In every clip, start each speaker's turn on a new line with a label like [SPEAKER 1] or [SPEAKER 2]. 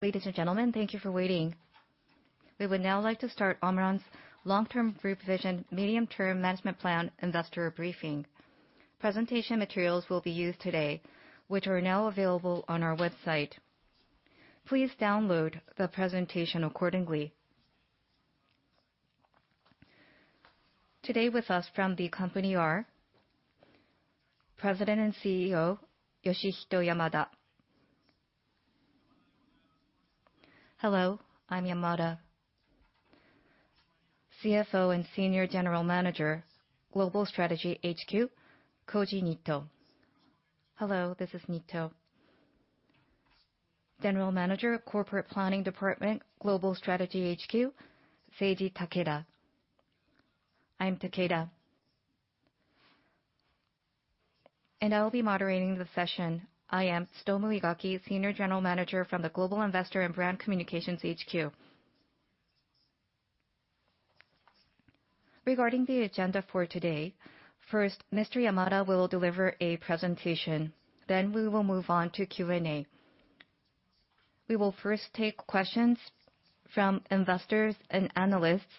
[SPEAKER 1] Ladies and gentlemen, thank you for waiting. We would now like to start OMRON's Long-term Group Vision, Medium-term Management Plan investor briefing. Presentation materials will be used today, which are now available on our website. Please download the presentation accordingly. Today with us from the company are President and CEO, Yoshihito Yamada.
[SPEAKER 2] Hello, I'm Yamada.
[SPEAKER 1] CFO and Senior General Manager, Global Strategy HQ, Koji Nitto.
[SPEAKER 3] Hello, this is Nitto.
[SPEAKER 1] General Manager, Corporate Planning Department, Global Strategy HQ, Seiji Takeda.
[SPEAKER 4] I'm Takeda.
[SPEAKER 1] I will be moderating the session. I am Tsutomu Igaki, Senior General Manager from the Global Investor and Brand Communications HQ. Regarding the agenda for today, first, Mr. Yamada will deliver a presentation, then we will move on to Q&A. We will first take questions from investors and analysts,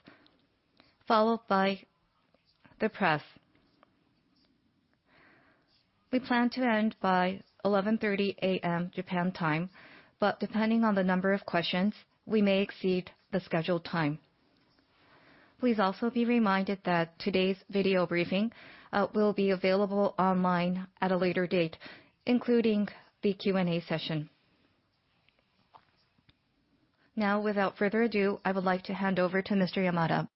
[SPEAKER 1] followed by the press. We plan to end by 11:30 A.M. Japan time, but depending on the number of questions, we may exceed the scheduled time. Please also be reminded that today's video briefing will be available online at a later date, including the Q&A session. Now, without further ado, I would like to hand over to Mr. Yamada.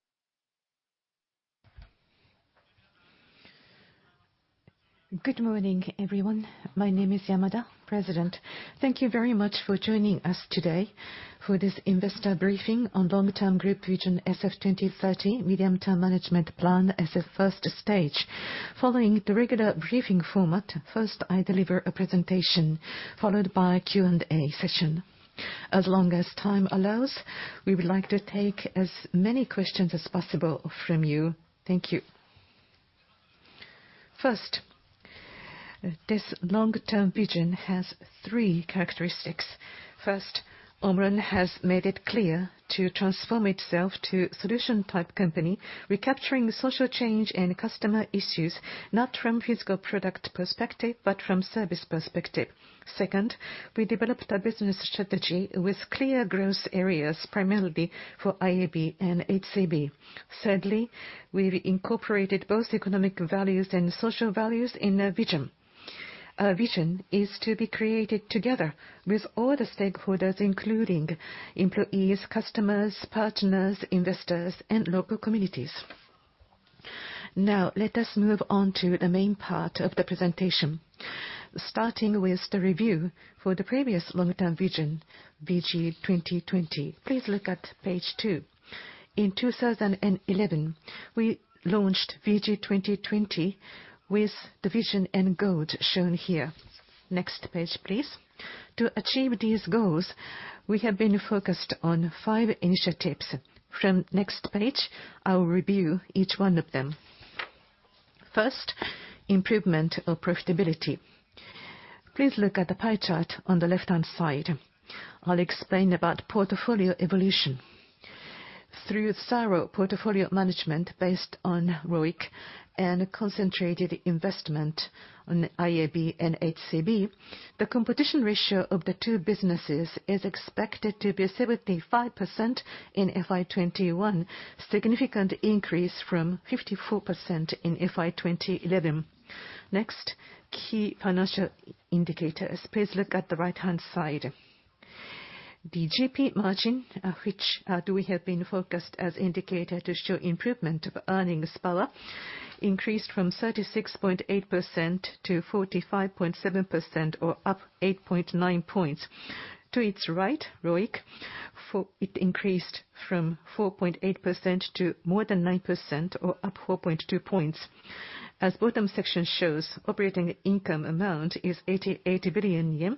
[SPEAKER 2] Good morning, everyone. My name is Yamada, President. Thank you very much for joining us today for this investor briefing on long-term group vision SF2030 medium-term management plan as a first stage. Following the regular briefing format, first I deliver a presentation, followed by Q&A session. As long as time allows, we would like to take as many questions as possible from you. Thank you. First, this long-term vision has three characteristics. First, OMRON has made it clear to transform itself to solution-type company, capturing social change and customer issues, not from physical product perspective, but from service perspective. Second, we developed a business strategy with clear growth areas, primarily for IAB and HCB. Thirdly, we've incorporated both economic values and social values in our vision. Our vision is to be created together with all the stakeholders, including employees, customers, partners, investors, and local communities. Now, let us move on to the main part of the presentation. Starting with the review for the previous long-term vision, VG 2020. Please look at page two. In 2011, we launched VG 2020 with the vision and goals shown here. Next page, please. To achieve these goals, we have been focused on five initiatives. From next page, I will review each one of them. First, improvement of profitability. Please look at the pie chart on the left-hand side. I'll explain about portfolio evolution. Through thorough portfolio management based on ROIC and concentrated investment on IAB and HCB, the composition ratio of the two businesses is expected to be 75% in FY 2021, significant increase from 54% in FY 2011. Next, key financial indicators. Please look at the right-hand side. The GP margin, which we have been focused as indicator to show improvement of earnings power, increased from 36.8%-45.7%, or up 8.9 points. To its right, ROIC, for it increased from 4.8% to more than 9%, or up 4.2 points. As bottom section shows, operating income amount is 88 billion yen,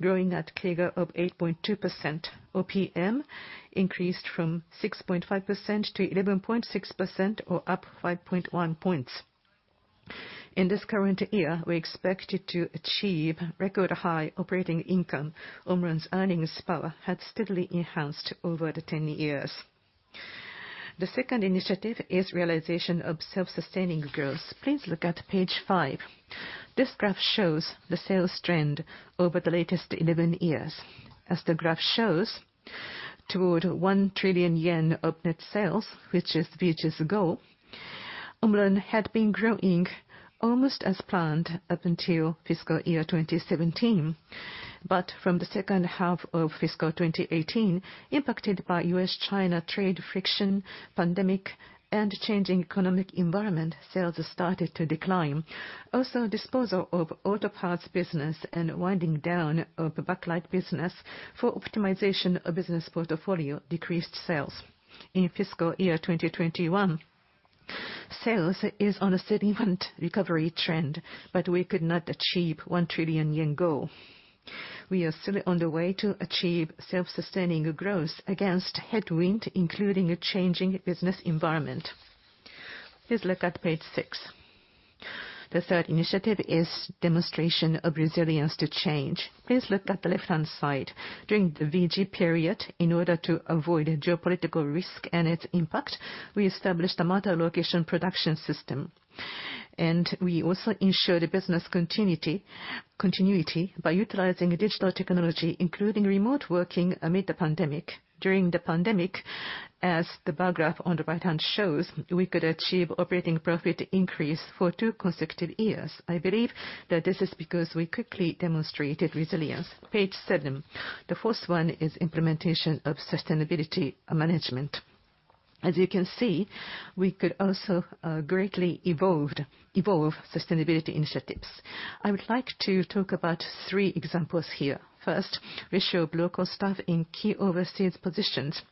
[SPEAKER 2] growing at CAGR of 8.2%. OPM increased from 6.5%-11.6%, or up 5.1 points. In this current year, we expected to achieve record high operating income. OMRON's earnings power had steadily enhanced over the 10 years. The second initiative is realization of self-sustaining growth. Please look at page five. This graph shows the sales trend over the latest 11 years. As the graph shows, toward 1 trillion yen of net sales, which is VG's goal, OMRON had been growing almost as planned up until fiscal 2017. From the second half of fiscal 2018, impacted by U.S.-China trade friction, pandemic, and changing economic environment, sales started to decline. Also, disposal of auto parts business and winding down of backlight business for optimization of business portfolio decreased sales. In fiscal 2021, sales is on a significant recovery trend, but we could not achieve 1 trillion yen goal. We are still on the way to achieve self-sustaining growth against headwind, including a changing business environment. Please look at page six. The third initiative is demonstration of resilience to change. Please look at the left-hand side. During the VG period, in order to avoid geopolitical risk and its impact, we established a multi-location production system. We also ensured business continuity by utilizing digital technology, including remote working amid the pandemic. During the pandemic, as the bar graph on the right-hand side shows, we could achieve operating profit increase for two consecutive years. I believe that this is because we quickly demonstrated resilience. Page seven. The first one is implementation of sustainability management. As you can see, we could also greatly evolve sustainability initiatives. I would like to talk about three examples here. First, ratio of local staff in key overseas positions.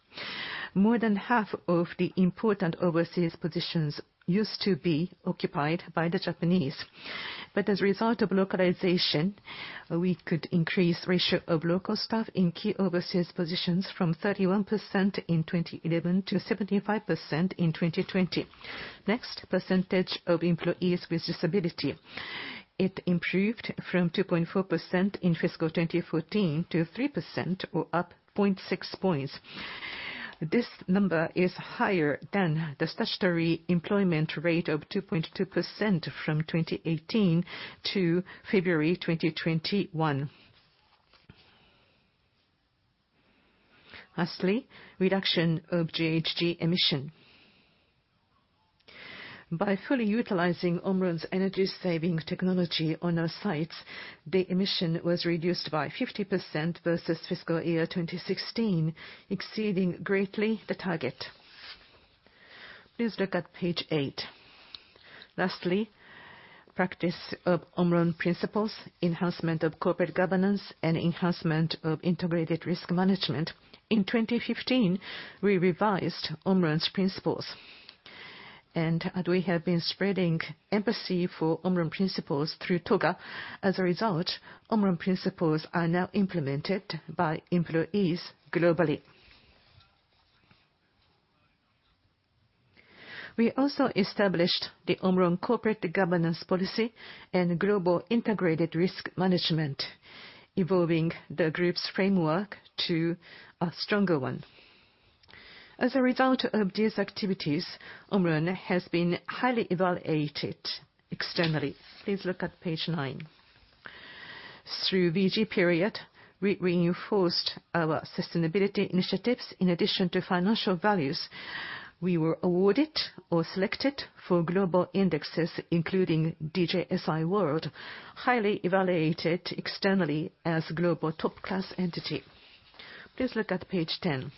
[SPEAKER 2] More than half of the important overseas positions used to be occupied by the Japanese, but as a result of localization, we could increase ratio of local staff in key overseas positions from 31% in 2011 to 75% in 2020. Next, percentage of employees with disability. It improved from 2.4% in fiscal 2014 to 3% or up 0.6 points. This number is higher than the statutory employment rate of 2.2% from 2018 to February 2021. Lastly, reduction of GHG emission. By fully utilizing OMRON's energy savings technology on our sites, the emission was reduced by 50% versus fiscal year 2016, exceeding greatly the target. Please look at page eight. Lastly, practice of OMRON principles, enhancement of corporate governance, and enhancement of integrated risk management. In 2015, we revised OMRON's principles. We have been spreading empathy for OMRON principles through TOGA, as a result, OMRON principles are now implemented by employees globally. We also established the OMRON corporate governance policy and global integrated risk management, evolving the group's framework to a stronger one. As a result of these activities, OMRON has been highly evaluated externally. Please look at page nine. Through VG period, we reinforced our sustainability initiatives in addition to financial values. We were awarded or selected for global indexes, including DJSI World, highly evaluated externally as global top-class entity. Please look at page 10.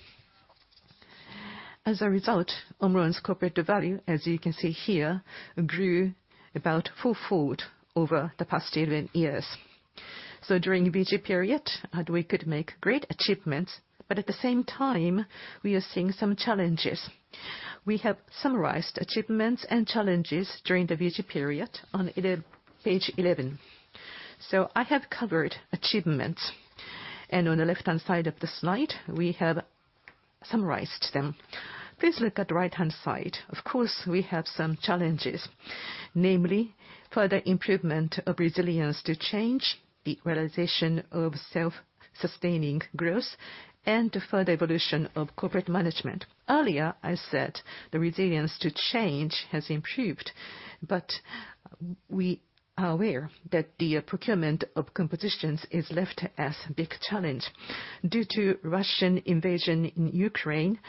[SPEAKER 2] As a result, OMRON's corporate value, as you can see here, grew about fourfold over the past 11 years. During VG period, we could make great achievements, but at the same time, we are seeing some challenges. We have summarized achievements and challenges during the VG period on page 11. I have covered achievements, and on the left-hand side of the slide, we have summarized them. Please look at the right-hand side. Of course, we have some challenges, namely further improvement of resilience to change, the realization of self-sustaining growth, and further evolution of corporate management. Earlier, I said the resilience to change has improved, but we are aware that the procurement of components is left as big challenge. Due to Russian invasion in Ukraine,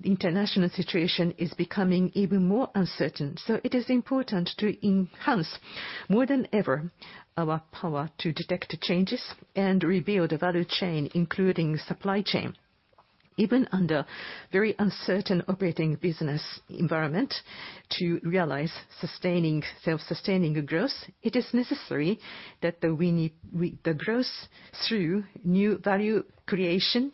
[SPEAKER 2] the international situation is becoming even more uncertain. It is important to enhance more than ever our power to detect changes and rebuild the value chain, including supply chain. Even under very uncertain operating business environment to realize sustaining, self-sustaining growth, it is necessary that we need the growth through new value creation,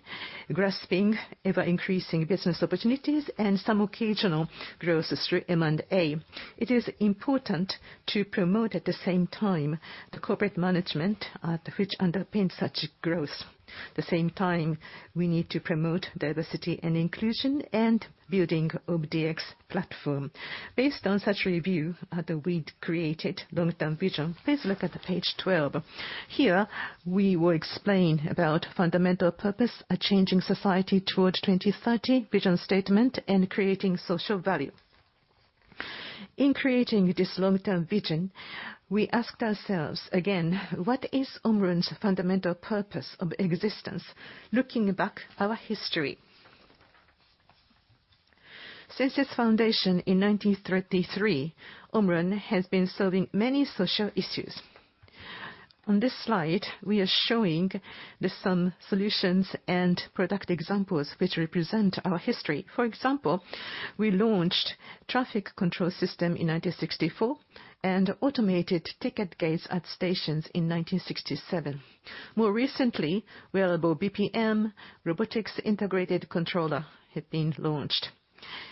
[SPEAKER 2] grasping ever-increasing business opportunities, and some occasional growth through M&A. It is important to promote, at the same time, the corporate management which underpins such growth. At the same time, we need to promote diversity and inclusion and building of DX platform. Based on such review, we'd created long-term vision. Please look at page 12. Here, we will explain about fundamental purpose, a changing society toward 2030, vision statement, and creating social value. In creating this long-term vision, we asked ourselves again, "What is OMRON's fundamental purpose of existence?" Looking back on our history. Since its foundation in 1933, OMRON has been solving many social issues. On this slide, we are showing some solutions and product examples which represent our history. For example, we launched traffic control system in 1964 and automated ticket gates at stations in 1967. More recently, wearable BPM, Robotic Integrated Controller had been launched.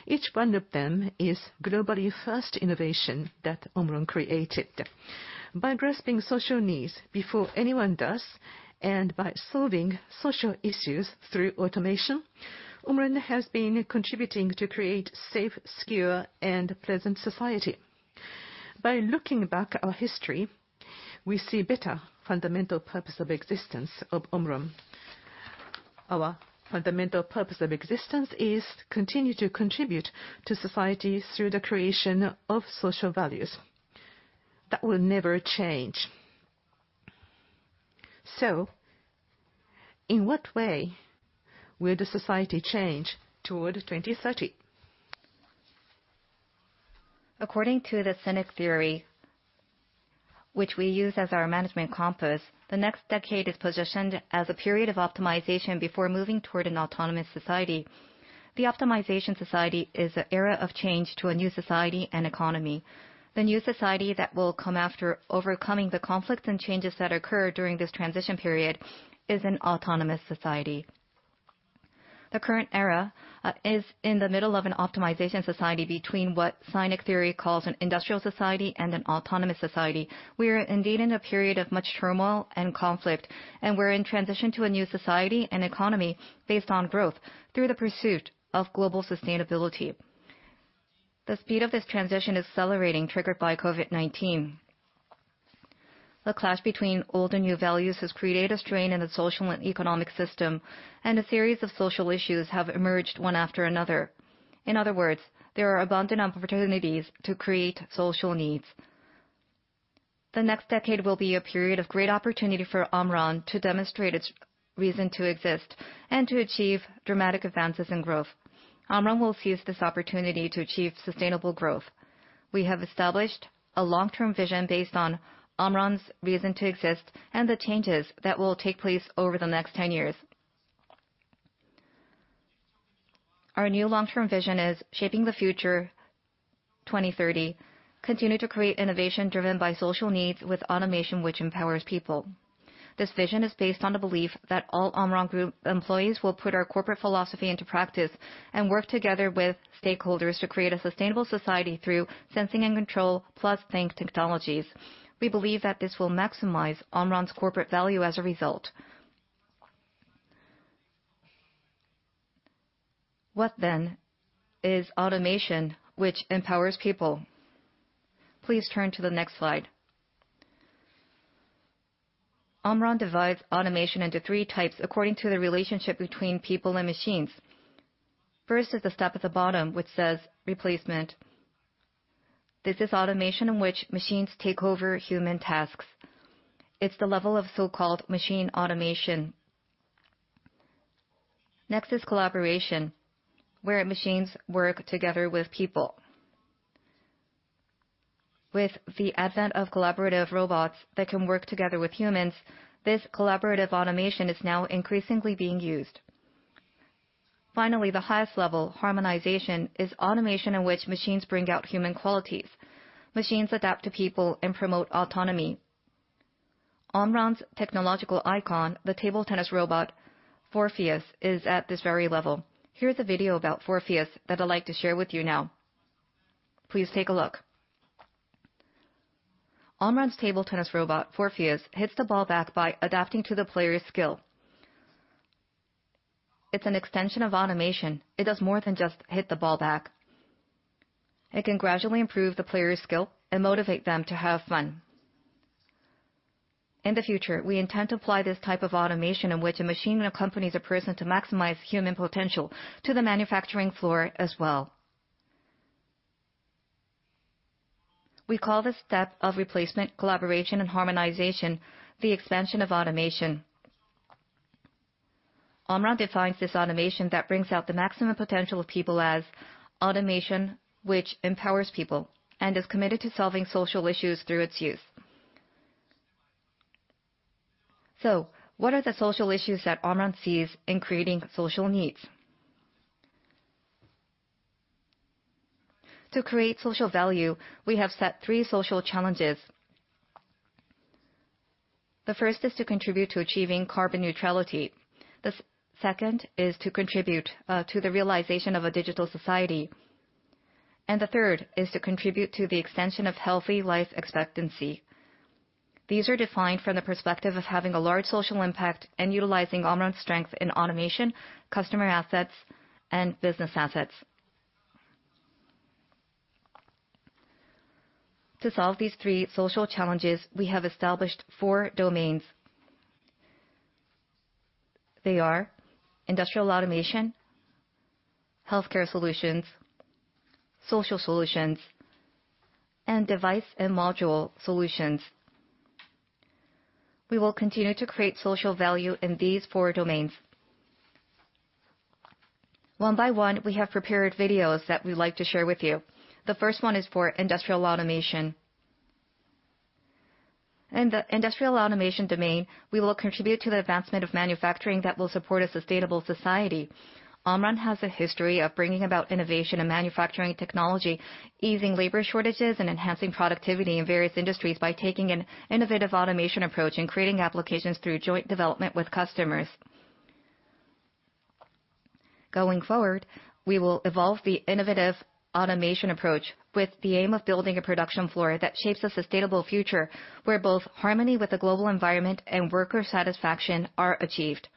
[SPEAKER 2] Each one of them is globally first innovation that OMRON created. By grasping social needs before anyone does, and by solving social issues through automation, OMRON has been contributing to create safe, secure, and pleasant society. By looking back at our history, we see better fundamental purpose of existence of OMRON. Our fundamental purpose of existence is continue to contribute to society through the creation of social values. That will never change. In what way will the society change toward 2030? According to the SINIC Theory, which we use as our management compass, the next decade is positioned as a period of optimization before moving toward an autonomous society. The optimization society is an era of change to a new society and economy. The new society that will come after overcoming the conflicts and changes that occur during this transition period is an autonomous society. The current era is in the middle of an information society between what SINIC Theory calls an industrial society and an autonomous society. We are indeed in a period of much turmoil and conflict, and we're in transition to a new society and economy based on growth through the pursuit of global sustainability. The speed of this transition is accelerating, triggered by COVID-19. The clash between old and new values has created a strain in the social and economic system, and a series of social issues have emerged one after another. In other words, there are abundant opportunities to create social needs. The next decade will be a period of great opportunity for OMRON to demonstrate its reason to exist and to achieve dramatic advances in growth. OMRON will seize this opportunity to achieve sustainable growth. We have established a long-term vision based on OMRON's reason to exist and the changes that will take place over the next 10 years. Our new long-term vision is Shaping the Future 2030, continue to create innovation driven by social needs with automation which empowers people. This vision is based on the belief that all OMRON group employees will put our corporate philosophy into practice and work together with stakeholders to create a sustainable society through sensing & control +THINK technologies. We believe that this will maximize OMRON's corporate value as a result. What then is automation which empowers people? Please turn to the next slide. OMRON divides automation into three types according to the relationship between people and machines. First is the step at the bottom, which says replacement. This is automation in which machines take over human tasks. It's the level of so-called machine automation. Next is collaboration, where machines work together with people. With the advent of collaborative robots that can work together with humans, this collaborative automation is now increasingly being used. Finally, the highest level, harmonization, is automation in which machines bring out human qualities. Machines adapt to people and promote autonomy. OMRON's technological icon, the table tennis robot FORPHEUS, is at this very level. Here is a video about FORPHEUS that I'd like to share with you now. Please take a look. OMRON's table tennis robot, FORPHEUS, hits the ball back by adapting to the player's skill. It's an extension of automation. It does more than just hit the ball back. It can gradually improve the player's skill and motivate them to have fun. In the future, we intend to apply this type of automation in which a machine accompanies a person to maximize human potential to the manufacturing floor as well. We call this step of replacement, collaboration, and harmonization the expansion of automation. OMRON defines this automation that brings out the maximum potential of people as automation which empowers people and is committed to solving social issues through its use. What are the social issues that OMRON sees in creating social needs? To create social value, we have set three social challenges. The first is to contribute to achieving carbon neutrality. The second is to contribute to the realization of a digital society. The third is to contribute to the extension of healthy life expectancy. These are defined from the perspective of having a large social impact and utilizing OMRON's strength in automation, customer assets, and business assets. To solve these three social challenges, we have established four domains. They are industrial automation, healthcare solutions, social solutions, and device and module solutions. We will continue to create social value in these four domains. One by one, we have prepared videos that we'd like to share with you. The first one is for industrial automation. In the industrial automation domain, we will contribute to the advancement of manufacturing that will support a sustainable society. OMRON has a history of bringing about innovation in manufacturing technology, easing labor shortages, and enhancing productivity in various industries by taking an innovative automation approach and creating applications through joint development with customers. Going forward, we will evolve the innovative automation approach with the aim of building a production floor that shapes a sustainable future, where both harmony with the global environment and worker satisfaction are achieved.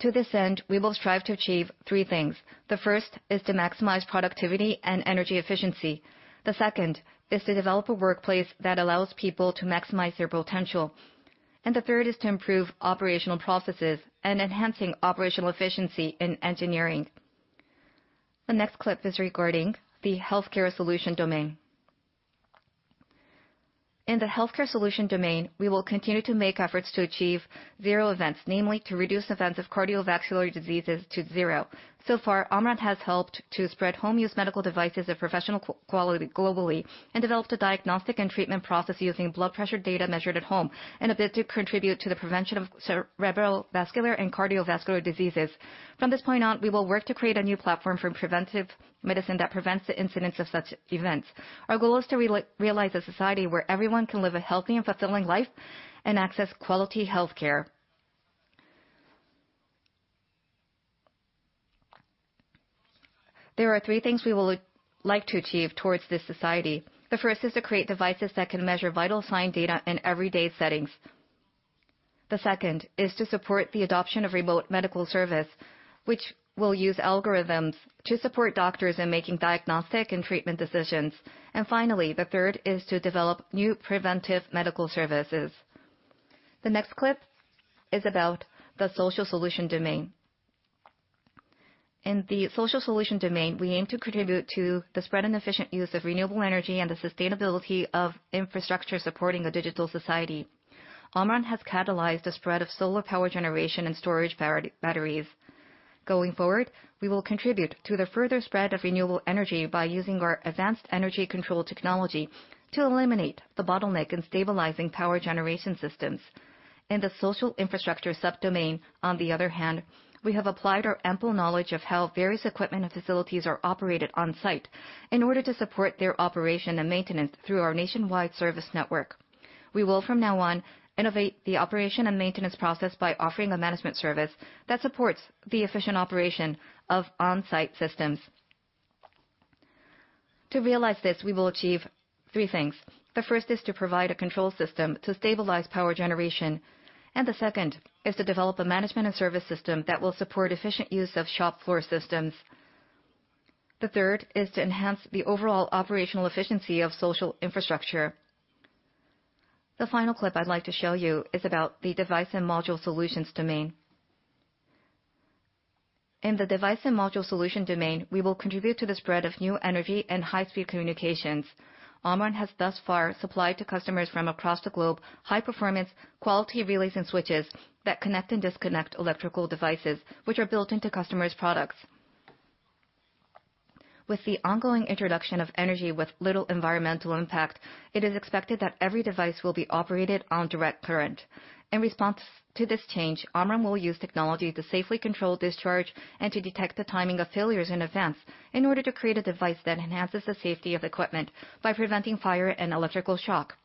[SPEAKER 2] To this end, we will strive to achieve three things. The first is to maximize productivity and energy efficiency. The second is to develop a workplace that allows people to maximize their potential. The third is to improve operational processes and enhance operational efficiency in engineering. The next clip is regarding the healthcare solution domain. In the healthcare solution domain, we will continue to make efforts to achieve Zero Events, namely to reduce events of cardiovascular diseases to zero. So far, OMRON has helped to spread home use medical devices of professional quality globally, and developed a diagnostic and treatment process using blood pressure data measured at home in a bid to contribute to the prevention of cerebrovascular and cardiovascular diseases. From this point on, we will work to create a new platform for preventive medicine that prevents the incidence of such events. Our goal is to re-realize a society where everyone can live a healthy and fulfilling life and access quality health care. There are three things we would like to achieve towards this society. The first is to create devices that can measure vital sign data in everyday settings. The second is to support the adoption of remote medical service, which will use algorithms to support doctors in making diagnostic and treatment decisions. Finally, the third is to develop new preventive medical services. The next clip is about the social solution domain. In the social solution domain, we aim to contribute to the spread and efficient use of renewable energy and the sustainability of infrastructure supporting a digital society. OMRON has catalyzed the spread of solar power generation and storage batteries. Going forward, we will contribute to the further spread of renewable energy by using our advanced energy control technology to eliminate the bottleneck in stabilizing power generation systems. In the social infrastructure subdomain, on the other hand, we have applied our ample knowledge of how various equipment and facilities are operated on-site in order to support their operation and maintenance through our nationwide service network. We will, from now on, innovate the operation and maintenance process by offering a management service that supports the efficient operation of on-site systems. To realize this, we will achieve three things. The first is to provide a control system to stabilize power generation, and the second is to develop a management and service system that will support efficient use of shop floor systems. The third is to enhance the overall operational efficiency of social infrastructure. The final clip I'd like to show you is about the device and module solutions domain. In the device and module solution domain, we will contribute to the spread of new energy and high-speed communications. OMRON has thus far supplied to customers from across the globe, high-performance quality relays and switches that connect and disconnect electrical devices, which are built into customers' products. With the ongoing introduction of energy with little environmental impact, it is expected that every device will be operated on direct current. In response to this change, OMRON will use technology to safely control discharge and to detect the timing of failures in advance in order to create a device that enhances the safety of equipment by preventing fire and electrical shock.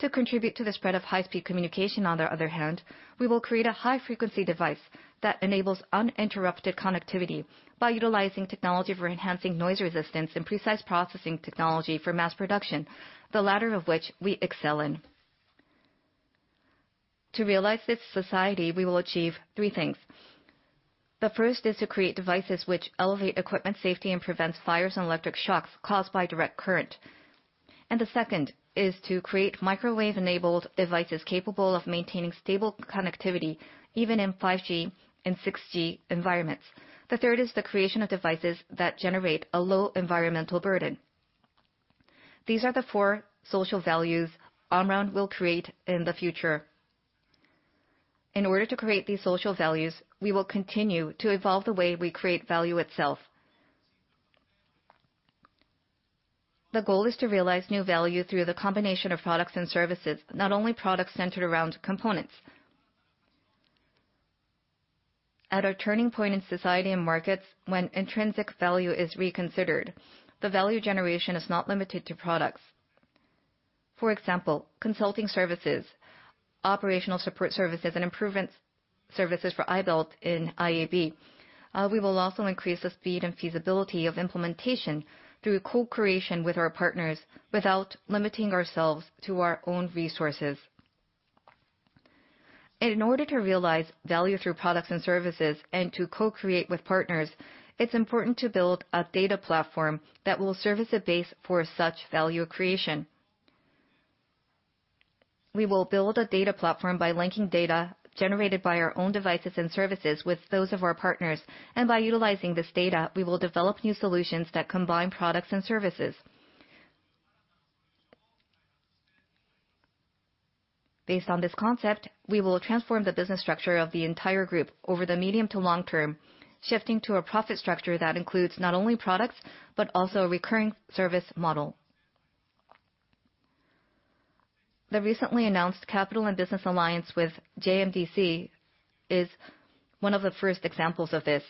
[SPEAKER 2] To contribute to the spread of high-speed communication, on the other hand, we will create a high-frequency device that enables uninterrupted connectivity by utilizing technology for enhancing noise resistance and precise processing technology for mass production, the latter of which we excel in. To realize this society, we will achieve three things. The first is to create devices which elevate equipment safety and prevents fires and electric shocks caused by direct current. The second is to create microwave-enabled devices capable of maintaining stable connectivity even in 5G and 6G environments. The third is the creation of devices that generate a low environmental burden. These are the four social values OMRON will create in the future. In order to create these social values, we will continue to evolve the way we create value itself. The goal is to realize new value through the combination of products and services, not only products centered around components. At a turning point in society and markets when intrinsic value is reconsidered, the value generation is not limited to products. For example, consulting services, operational support services, and improvement services for i-BELT in IAB. We will also increase the speed and feasibility of implementation through co-creation with our partners without limiting ourselves to our own resources. In order to realize value through products and services and to co-create with partners, it's important to build a data platform that will serve as a base for such value creation. We will build a data platform by linking data generated by our own devices and services with those of our partners. By utilizing this data, we will develop new solutions that combine products and services. Based on this concept, we will transform the business structure of the entire group over the medium to long term, shifting to a profit structure that includes not only products, but also a recurring service model. The recently announced capital and business alliance with JMDC is one of the first examples of this.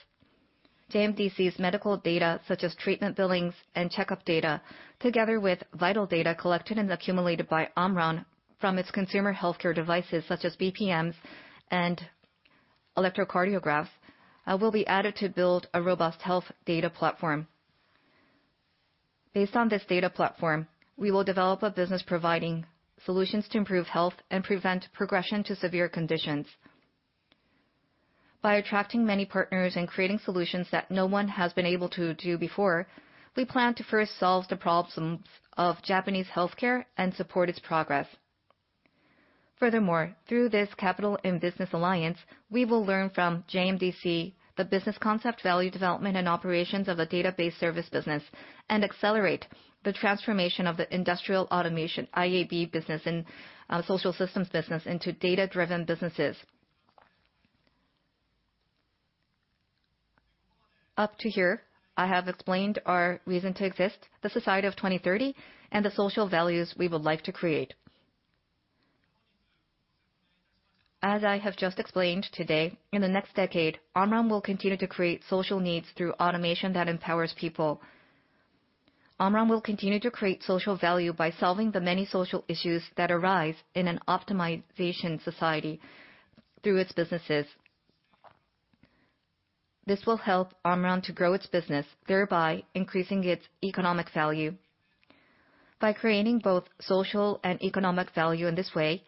[SPEAKER 2] JMDC's medical data, such as treatment billings and checkup data, together with vital data collected and accumulated by OMRON from its consumer healthcare devices such as BPMs and electrocardiographs, will be added to build a robust health data platform. Based on this data platform, we will develop a business providing solutions to improve health and prevent progression to severe conditions. By attracting many partners and creating solutions that no one has been able to do before, we plan to first solve the problems of Japanese healthcare and support its progress. Furthermore, through this capital and business alliance, we will learn from JMDC the business concept, value development, and operations of a database service business, and accelerate the transformation of the industrial automation, IAB business and social systems business into data-driven businesses. Up to here, I have explained our reason to exist, the society of 2030, and the social values we would like to create. As I have just explained today, in the next decade, OMRON will continue to create social needs through automation that empowers people. OMRON will continue to create social value by solving the many social issues that arise in an optimization society through its businesses. This will help OMRON to grow its business, thereby increasing its economic value. By creating both social and economic value in this way,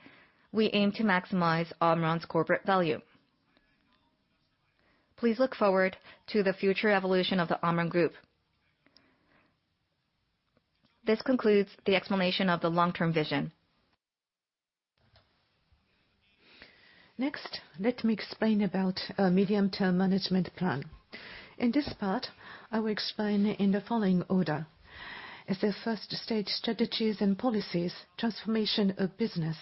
[SPEAKER 2] we aim to maximize OMRON's corporate value. Please look forward to the future evolution of the OMRON Group. This concludes the explanation of the long-term vision. Next, let me explain about our medium-term management plan. In this part, I will explain in the following order. As a first stage, strategies and policies, transformation of business,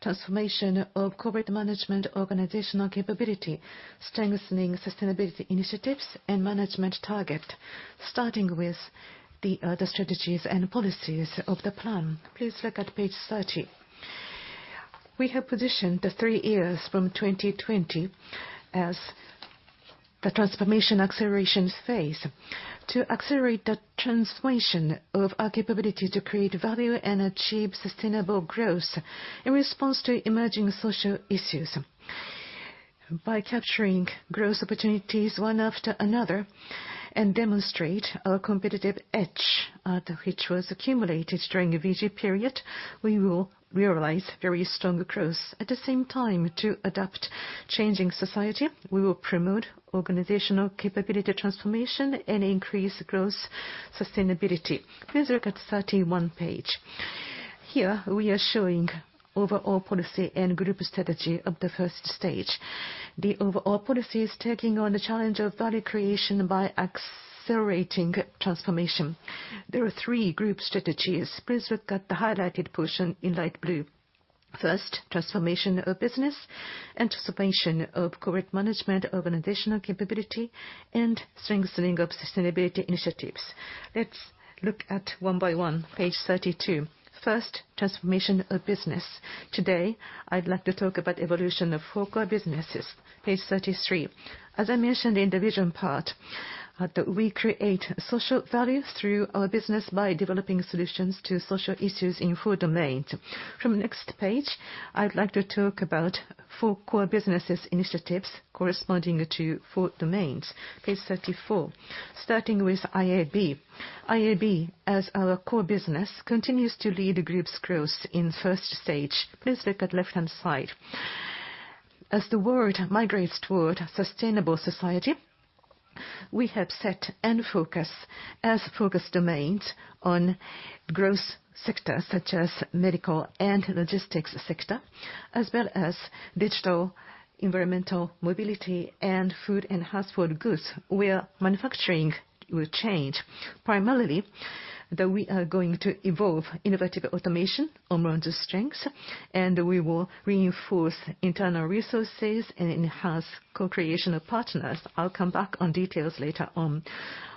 [SPEAKER 2] transformation of corporate management organizational capability, strengthening sustainability initiatives, and management target. Starting with the strategies and policies of the plan. Please look at page 30. We have positioned the three years from 2020 as the transformation acceleration phase to accelerate the transformation of our capability to create value and achieve sustainable growth in response to emerging social issues. By capturing growth opportunities one after another and demonstrate our competitive edge, which was accumulated during a VG period, we will realize very strong growth. At the same time, to adapt changing society, we will promote organizational capability transformation and increase growth sustainability. Please look at page 31. Here, we are showing overall policy and group strategy of the first stage. The overall policy is taking on the challenge of value creation by accelerating transformation. There are three group strategies. Please look at the highlighted portion in light blue. First, transformation of business and transformation of corporate management organizational capability and strengthening of sustainability initiatives. Let's look at one by one, page 32. First, transformation of business. Today, I'd like to talk about evolution of four core businesses. Page 33. As I mentioned in the vision part, that we create social value through our business by developing solutions to social issues in four domains. From next page, I'd like to talk about four core businesses initiatives corresponding to four domains. Page 34. Starting with IAB. IAB, as our core business, continues to lead the group's growth in first stage. Please look at left-hand side. As the world migrates toward a sustainable society, we have set and focus as focus domains on growth sectors such as medical and logistics sector, as well as digital, environmental, mobility, and food and household goods, where manufacturing will change. Primarily, that we are going to evolve innovative automation, OMRON's strengths, and we will reinforce internal resources and enhance co-creation of partners. I'll come back on details later on.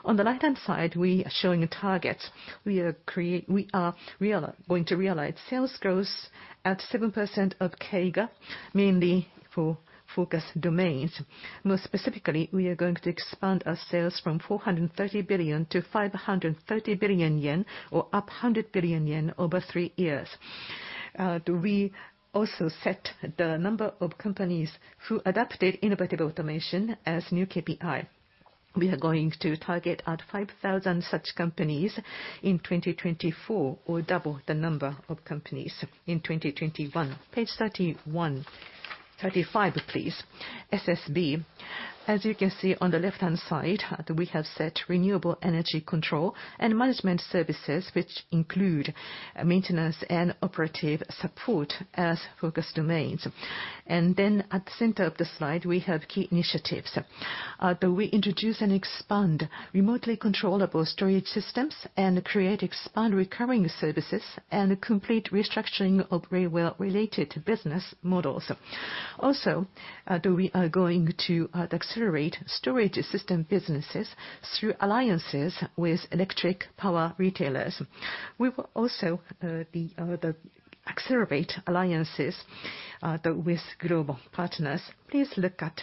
[SPEAKER 2] On the right-hand side, we are showing targets. We are going to realize sales growth at 7% CAGR, mainly for focus domains. More specifically, we are going to expand our sales from 430 billion-530 billion yen, or up 100 billion yen over three years. We also set the number of companies who adapted innovative automation as new KPI. We are going to target 5,000 such companies in 2024, or double the number of companies in 2021. Page 31. 35, please. SSB. As you can see on the left-hand side, we have set renewable energy control and management services, which include maintenance and operative support as focus domains. Then at the center of the slide, we have key initiatives that we introduce and expand remotely controllable storage systems and create and expand recurring services and complete restructuring of railway-related business models. We are going to accelerate storage system businesses through alliances with electric power retailers. We will also accelerate alliances with global partners. Please look at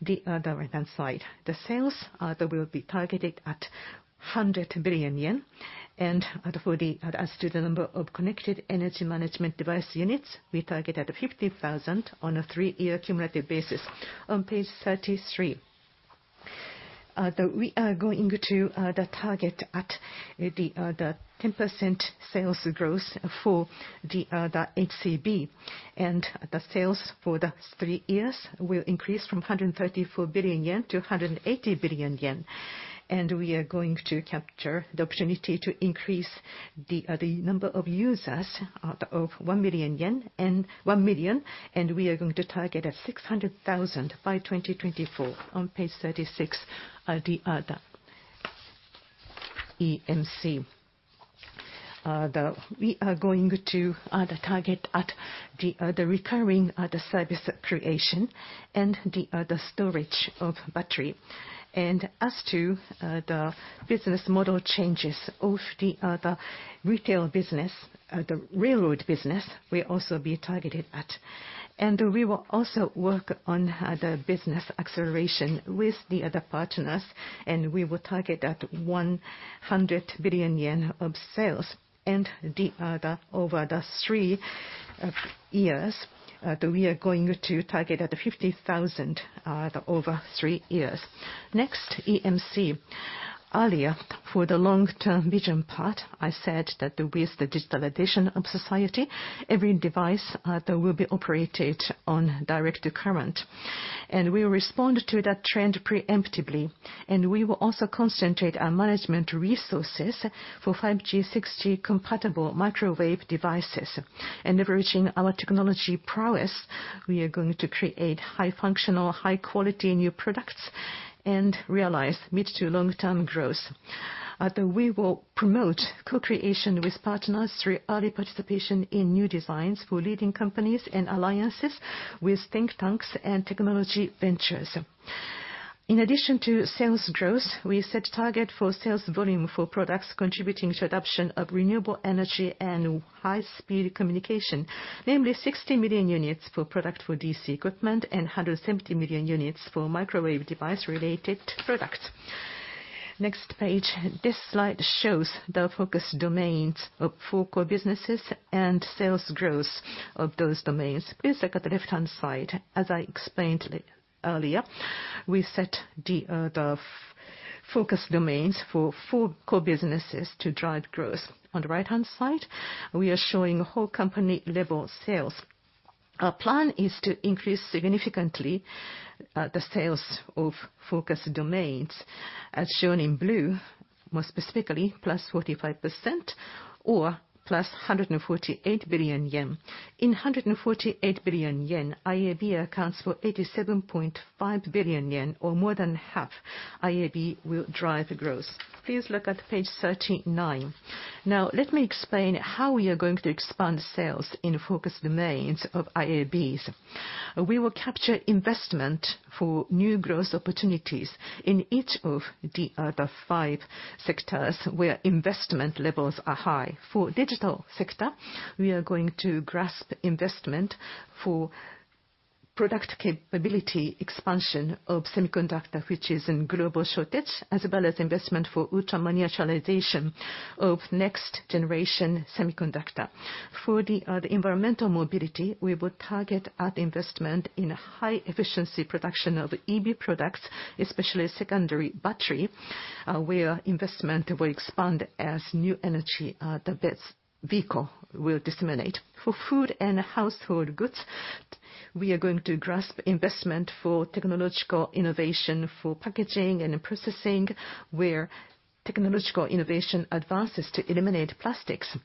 [SPEAKER 2] the right-hand side. The sales that will be targeted at 100 billion yen, and for the number of connected energy management device units, we target at 50,000 on a three-year cumulative basis. On page 33, we are going to target at 10% sales growth for the HCB. The sales for the three years will increase from 134 billion yen to 180 billion yen. We are going to capture the opportunity to increase the number of users of 1 million yen, and one million, and we are going to target at 600,000 by 2024. On page 36 are the EMC. We are going to target the recurring service creation and the storage of battery. As to the business model changes of the retail business, the railroad business will also be targeted at. We will also work on the business acceleration with the other partners, and we will target at 100 billion yen of sales over the three years that we are going to target at the 50,000 over three years. Next, EMC. Earlier, for the long-term vision part, I said that with the digitalization of society, every device that will be operated on direct current. We respond to that trend preemptively. We will also concentrate our management resources for 5G/6G-compatible microwave devices. Leveraging our technology prowess, we are going to create high-functional, high-quality new products and realize mid to long-term growth. We will promote co-creation with partners through early participation in new designs for leading companies and alliances with think tanks and technology ventures. In addition to sales growth, we set target for sales volume for products contributing to adoption of renewable energy and high-speed communication, namely 60 million units for product for DC equipment and 170 million units for microwave device-related products. Next page. This slide shows the focus domains of four core businesses and sales growth of those domains. Please look at the left-hand side. As I explained earlier, we set the focus domains for four core businesses to drive growth. On the right-hand side, we are showing whole company-level sales. Our plan is to increase significantly the sales of focus domains, as shown in blue, more specifically, +45% or 148 billion yen. In 148 billion yen, IAB accounts for 87.5 billion yen, or more than half. IAB will drive growth. Please look at page 39. Now, let me explain how we are going to expand sales in focus domains of IABs. We will capture investment for new growth opportunities in each of the five sectors where investment levels are high. For digital sector, we are going to grasp investment for product capability expansion of semiconductor, which is in global shortage, as well as investment for ultra-miniaturization of next-generation semiconductor. For the environmental mobility, we will target our investment in high-efficiency production of EV products, especially secondary battery, where investment will expand as new energy, the BEV vehicle will disseminate. For food and household goods, we are going to expand investment for technological innovation for packaging and processing, where technological innovation advances to eliminate plastics.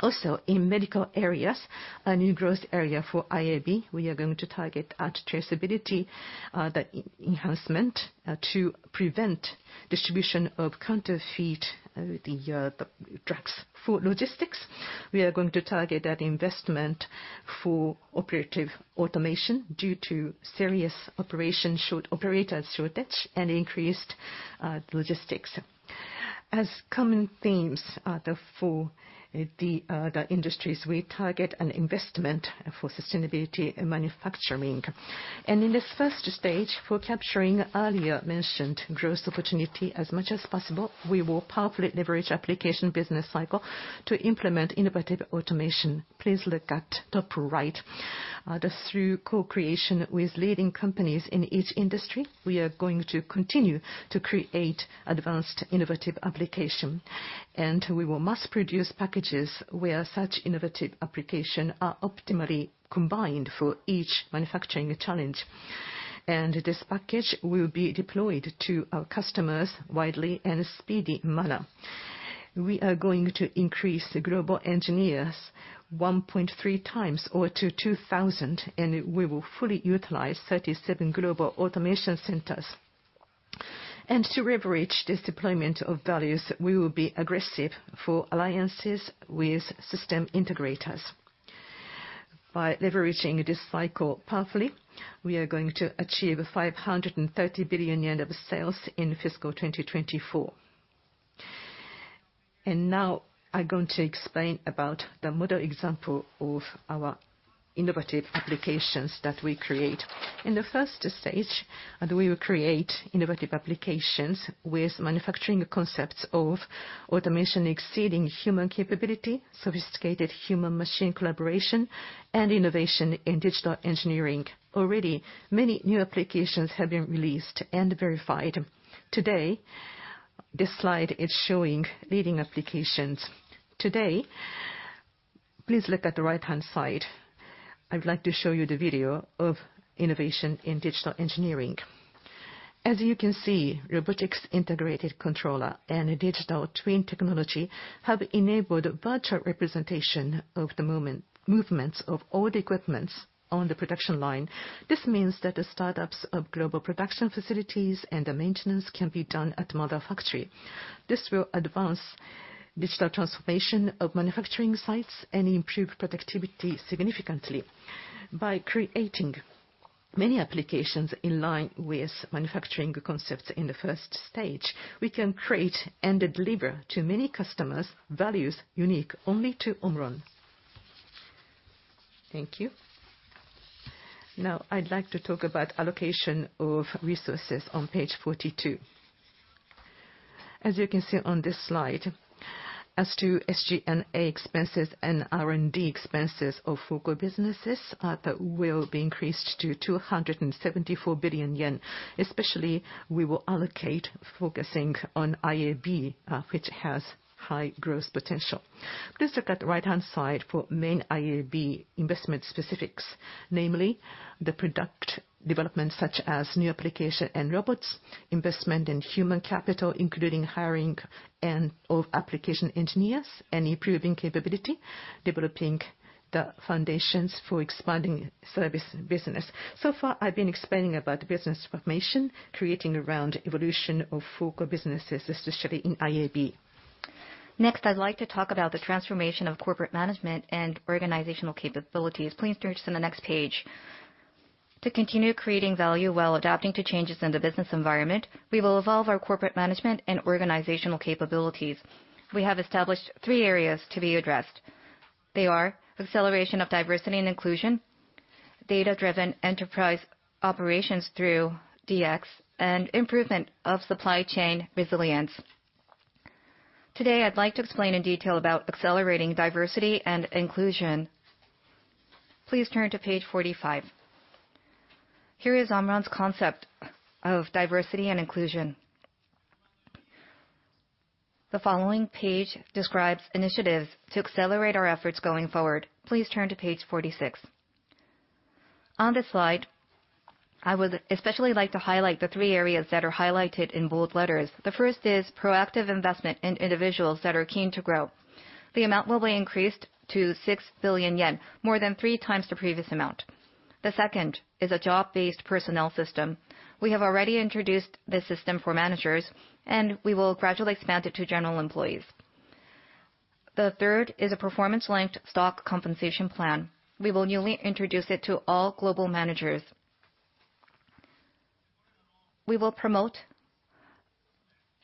[SPEAKER 2] Also, in medical areas, a new growth area for IAB, we are going to target at traceability enhancement to prevent distribution of counterfeit drugs. For logistics, we are going to target that investment for operational automation due to serious operator shortage and increased logistics. As common themes for the industries, we target an investment for sustainability and manufacturing. In this first stage, for capturing earlier mentioned growth opportunity as much as possible, we will powerfully leverage application business cycle to implement innovative automation. Please look at top right. Through co-creation with leading companies in each industry, we are going to continue to create advanced innovative application. We will mass produce packages where such innovative application are optimally combined for each manufacturing challenge. This package will be deployed to our customers widely in a speedy manner. We are going to increase global engineers 1.3x or to 2,000, and we will fully utilize 37 global Automation Centers. To leverage this deployment of values, we will be aggressive for alliances with system integrators. By leveraging this cycle powerfully, we are going to achieve 530 billion yen of sales in fiscal 2024. Now I'm going to explain about the model example of our innovative applications that we create. In the first stage, we will create innovative applications with manufacturing concepts of automation exceeding human capability, sophisticated human machine collaboration, and innovation in digital engineering. Already, many new applications have been released and verified. Today, this slide is showing leading applications. Today, please look at the right-hand side. I would like to show you the video of innovation in digital engineering. As you can see, Robotic Integrated Controller and digital twin technology have enabled virtual representation of the real-time movements of all the equipment on the production line. This means that the startups of global production facilities and the maintenance can be done at model factory. This will advance digital transformation of manufacturing sites and improve productivity significantly. By creating many applications in line with manufacturing concepts in the first stage, we can create and deliver to many customers values unique only to OMRON. Thank you. Now I'd like to talk about allocation of resources on page 42. As you can see on this slide, as to SG&A expenses and R&D expenses of focus businesses, that will be increased to 274 billion yen. Especially we will allocate focusing on IAB, which has high growth potential. Please look at the right-hand side for main IAB investment specifics, namely the product development such as new application and robots, investment in human capital, including hiring and of application engineers and improving capability, developing the foundations for expanding service business. So far, I've been explaining about the business transformation centered around evolution of focus businesses, especially in IAB. Next, I'd like to talk about the transformation of corporate management and organizational capabilities. Please turn to the next page. To continue creating value while adapting to changes in the business environment, we will evolve our corporate management and organizational capabilities. We have established three areas to be addressed. They are acceleration of diversity and inclusion, data-driven enterprise operations through DX, and improvement of supply chain resilience. Today, I'd like to explain in detail about accelerating diversity and inclusion. Please turn to page 45. Here is OMRON's concept of diversity and inclusion. The following page describes initiatives to accelerate our efforts going forward. Please turn to page 46. On this slide, I would especially like to highlight the three areas that are highlighted in bold letters. The first is proactive investment in individuals that are keen to grow. The amount will be increased to 6 billion yen, more than 3x the previous amount. The second is a job-based personnel system. We have already introduced this system for managers, and we will gradually expand it to general employees. The third is a performance-linked stock compensation plan. We will newly introduce it to all global managers. We will promote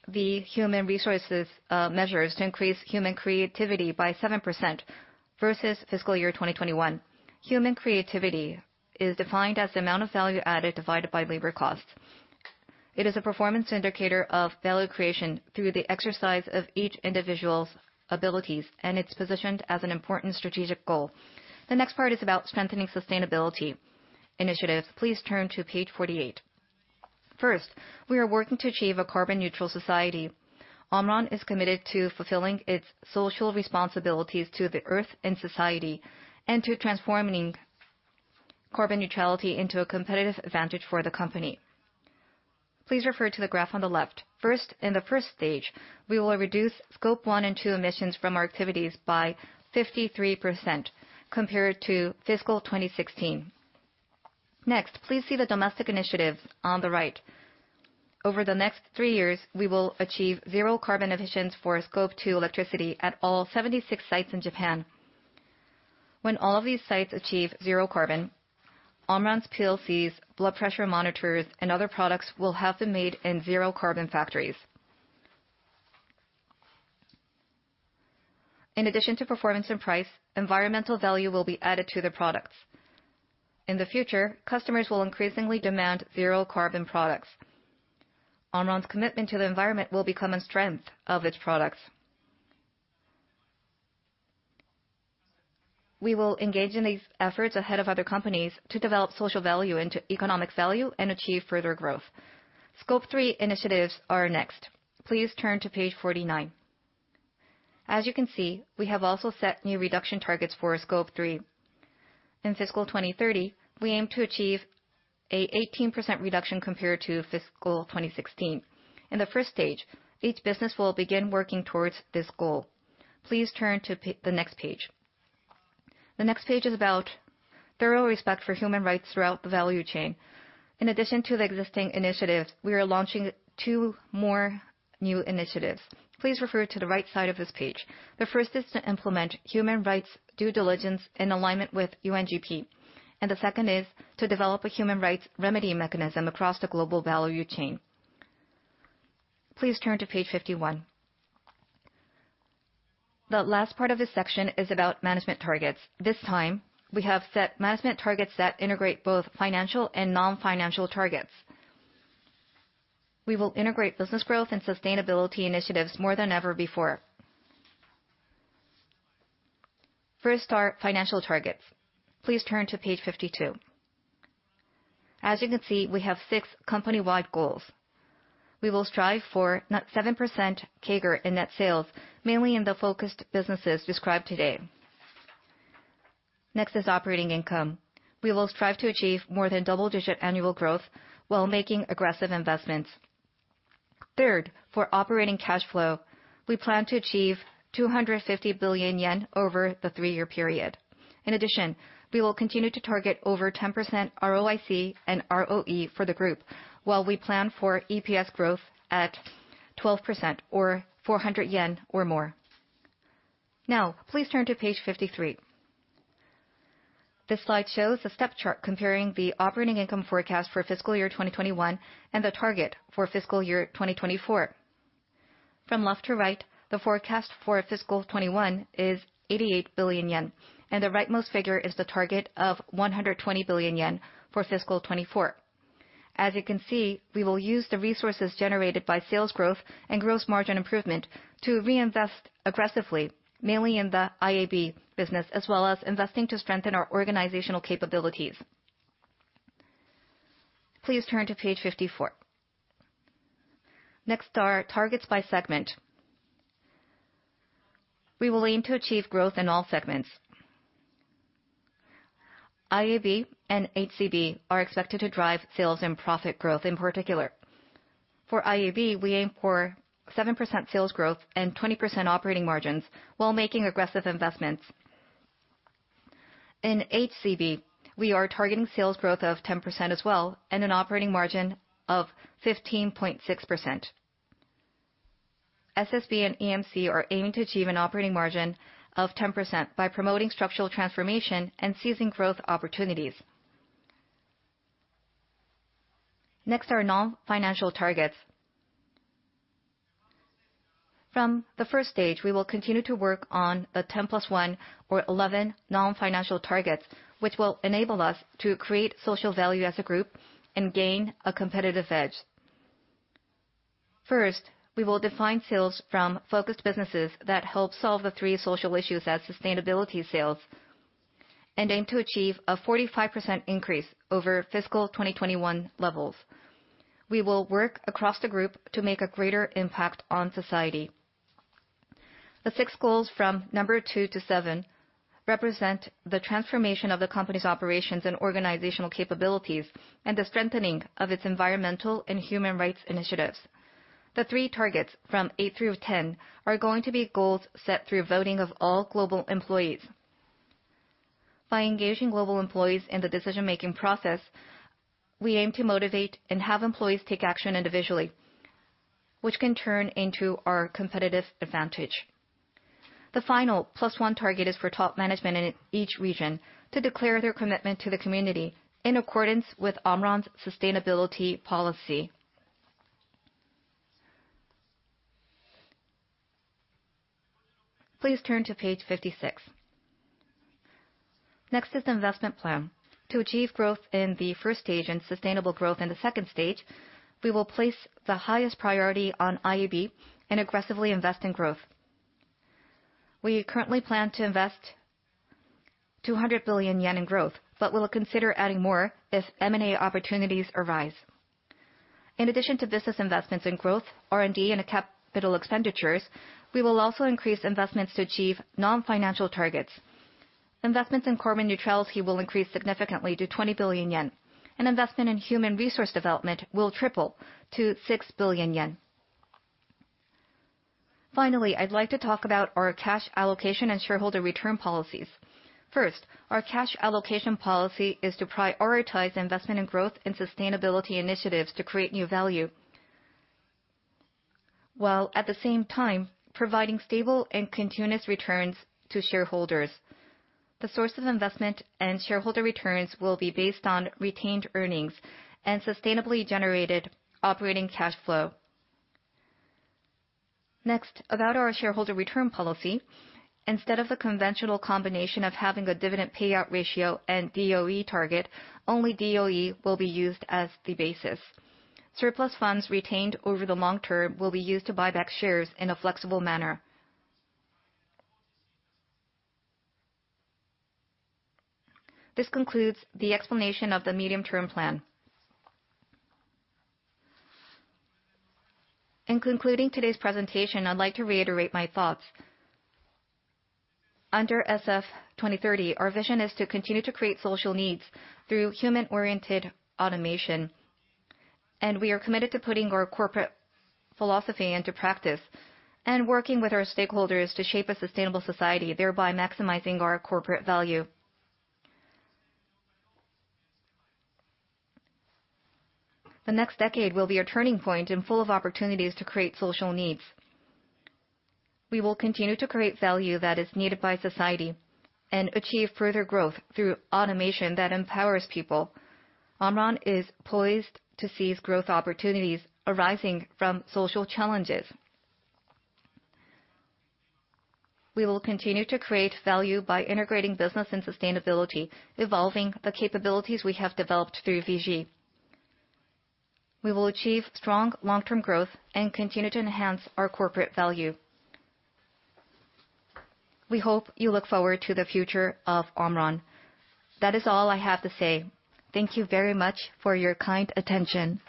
[SPEAKER 2] the human resources measures to increase human creativity by 7% versus fiscal year 2021. Human creativity is defined as the amount of value added divided by labor costs. It is a performance indicator of value creation through the exercise of each individual's abilities, and it's positioned as an important strategic goal. The next part is about strengthening sustainability initiatives. Please turn to page 48. First, we are working to achieve a carbon neutral society. OMRON is committed to fulfilling its social responsibilities to the earth and society, and to transforming carbon neutrality into a competitive advantage for the company. Please refer to the graph on the left. First, in the first stage, we will reduce Scope 1 and 2 emissions from our activities by 53% compared to fiscal 2016. Next, please see the domestic initiatives on the right. Over the next three years, we will achieve zero carbon emissions for Scope 2 electricity at all 76 sites in Japan. When all of these sites achieve zero carbon, OMRON's PLCs, blood pressure monitors, and other products will have been made in zero carbon factories. In addition to performance and price, environmental value will be added to the products. In the future, customers will increasingly demand zero carbon products. OMRON's commitment to the environment will become a strength of its products. We will engage in these efforts ahead of other companies to develop social value into economic value and achieve further growth. Scope 3 initiatives are next. Please turn to page 49. As you can see, we have also set new reduction targets for Scope 3. In fiscal 2030, we aim to achieve an 18% reduction compared to fiscal 2016. In the first stage, each business will begin working towards this goal. Please turn to the next page. The next page is about thorough respect for human rights throughout the value chain. In addition to the existing initiatives, we are launching two more new initiatives. Please refer to the right side of this page. The first is to implement human rights due diligence in alignment with UNGP, and the second is to develop a human rights remedy mechanism across the global value chain. Please turn to page 51. The last part of this section is about management targets. This time, we have set management targets that integrate both financial and non-financial targets. We will integrate business growth and sustainability initiatives more than ever before. First are financial targets. Please turn to page 52. As you can see, we have six company-wide goals. We will strive for 7% CAGR in net sales, mainly in the focused businesses described today. Next is operating income. We will strive to achieve more than double-digit annual growth while making aggressive investments. Third, for operating cash flow, we plan to achieve 250 billion yen over the three-year period. In addition, we will continue to target over 10% ROIC and ROE for the group while we plan for EPS growth at 12% or 400 yen or more. Now please turn to page 53. This slide shows a step chart comparing the operating income forecast for FY 2021 and the target for FY 2024. From left to right, the forecast for FY 2021 is 88 billion yen, and the rightmost figure is the target of 120 billion yen for FY 2024. As you can see, we will use the resources generated by sales growth and gross margin improvement to reinvest aggressively, mainly in the IAB business, as well as investing to strengthen our organizational capabilities. Please turn to page 54. Next are targets by segment. We will aim to achieve growth in all segments. IAB and HCB are expected to drive sales and profit growth in particular. For IAB, we aim for 7% sales growth and 20% operating margins while making aggressive investments. In HCB, we are targeting sales growth of 10% as well and an operating margin of 15.6%. SSB and EMC are aiming to achieve an operating margin of 10% by promoting structural transformation and seizing growth opportunities. Next are non-financial targets. From the first stage, we will continue to work on the 10 + 1 or 11 non-financial targets, which will enable us to create social value as a group and gain a competitive edge. First, we will define sales from focused businesses that help solve the three social issues as Sustainability sales and aim to achieve a 45% increase over fiscal 2021 levels. We will work across the group to make a greater impact on society. The six goals from number two-seven represent the transformation of the company's operations and organizational capabilities and the strengthening of its environmental and human rights initiatives. The three targets from eight through 10 are going to be goals set through voting of all global employees. By engaging global employees in the decision-making process, we aim to motivate and have employees take action individually, which can turn into our competitive advantage. The final plus one target is for top management in each region to declare their commitment to the community in accordance with OMRON's sustainability policy. Please turn to page 56. Next is investment plan. To achieve growth in the first stage and sustainable growth in the second stage, we will place the highest priority on IAB and aggressively invest in growth. We currently plan to invest 200 billion yen in growth, but will consider adding more if M&A opportunities arise. In addition to business investments in growth, R&D, and capital expenditures, we will also increase investments to achieve non-financial targets. Investments in carbon neutrality will increase significantly to 20 billion yen, and investment in human resource development will triple to 6 billion yen. Finally, I'd like to talk about our cash allocation and shareholder return policies. First, our cash allocation policy is to prioritize investment in growth and sustainability initiatives to create new value, while at the same time providing stable and continuous returns to shareholders. The source of investment and shareholder returns will be based on retained earnings and sustainably generated operating cash flow. Next, about our shareholder return policy. Instead of the conventional combination of having a dividend payout ratio and DOE target, only DOE will be used as the basis. Surplus funds retained over the long term will be used to buy back shares in a flexible manner. This concludes the explanation of the medium-term plan. In concluding today's presentation, I'd like to reiterate my thoughts. Under SF2030, our vision is to continue to create social needs through human-oriented automation, and we are committed to putting our corporate philosophy into practice and working with our stakeholders to shape a sustainable society, thereby maximizing our corporate value. The next decade will be a turning point and full of opportunities to create social needs. We will continue to create value that is needed by society. Achieve further growth through automation that empowers people. OMRON is poised to seize growth opportunities arising from social challenges. We will continue to create value by integrating business and sustainability, evolving the capabilities we have developed through VG. We will achieve strong long-term growth and continue to enhance our corporate value. We hope you look forward to the future of OMRON. That is all I have to say. Thank you very much for your kind attention.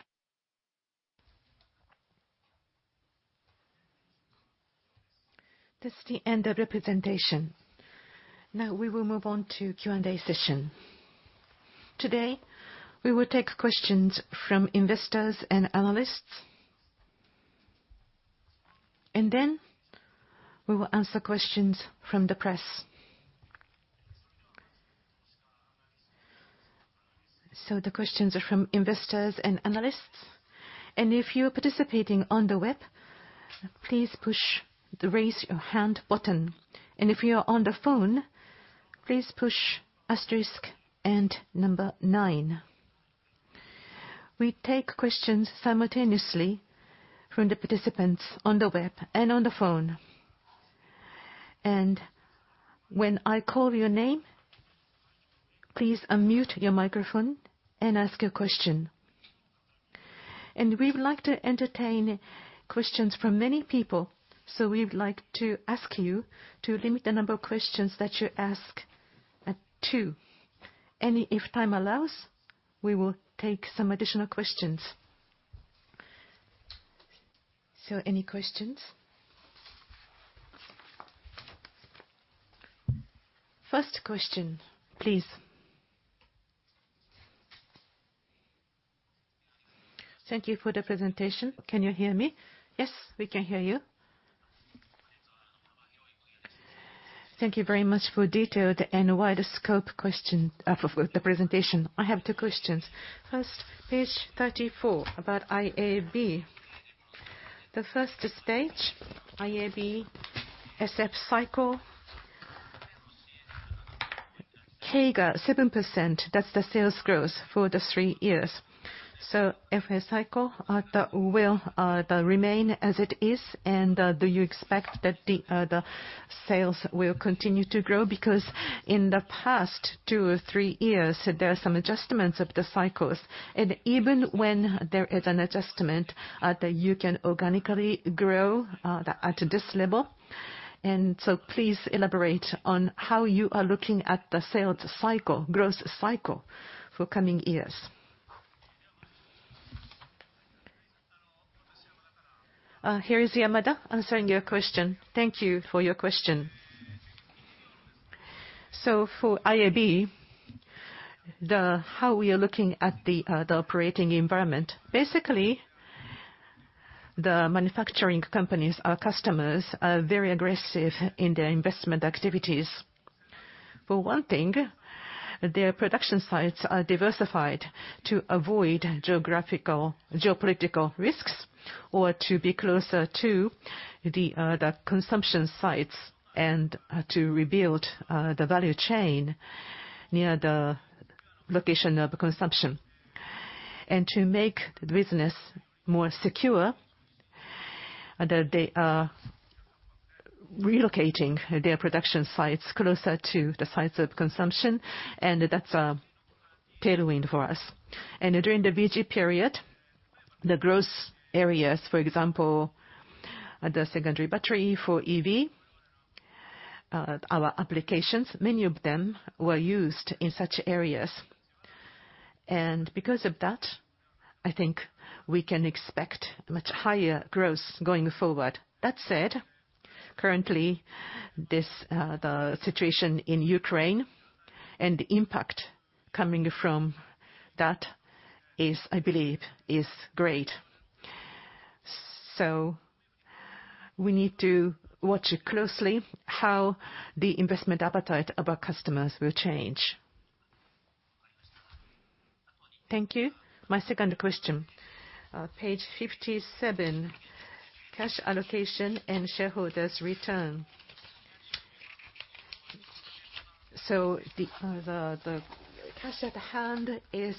[SPEAKER 1] This is the end of presentation. Now we will move on to Q&A session. Today, we will take questions from investors and analysts, and then we will answer questions from the press. The questions are from investors and analysts. If you are participating on the web, please push the Raise Your Hand button. If you are on the phone, please push asterisk and number nine. We take questions simultaneously from the participants on the web and on the phone. When I call your name, please unmute your microphone and ask your question. We would like to entertain questions from many people, so we would like to ask you to limit the number of questions that you ask to two. If time allows, we will take some additional questions. Any questions? First question, please.
[SPEAKER 5] Thank you for the presentation. Can you hear me?
[SPEAKER 1] Yes, we can hear you.
[SPEAKER 5] Thank you very much for the detailed and wide-scope presentation. I have two questions. First, page 34, about IAB. The first stage, IAB SF cycle, CAGR 7%, that's the sales growth for the three years. Every cycle, will it remain as it is? Do you expect that the sales will continue to grow? Because in the past two or three years, there are some adjustments of the cycles. Even when there is an adjustment, that you can organically grow at this level. Please elaborate on how you are looking at the sales cycle, growth cycle for coming years.
[SPEAKER 1] Here is Yamada answering your question.
[SPEAKER 2] Thank you for your question. For IAB, how we are looking at the operating environment. Basically, the manufacturing companies, our customers, are very aggressive in their investment activities. For one thing, their production sites are diversified to avoid geographical, geopolitical risks or to be closer to the consumption sites and to rebuild the value chain near the location of consumption. To make the business more secure, that they are relocating their production sites closer to the sites of consumption, and that's a tailwind for us. During the VG period, the growth areas, for example, the secondary battery for EV, our applications, many of them were used in such areas. Because of that, I think we can expect much higher growth going forward. That said, currently this, the situation in Ukraine and the impact coming from that is, I believe, great. We need to watch closely how the investment appetite of our customers will change.
[SPEAKER 5] Thank you. My second question. Page 57, cash allocation and shareholders return. The cash at hand is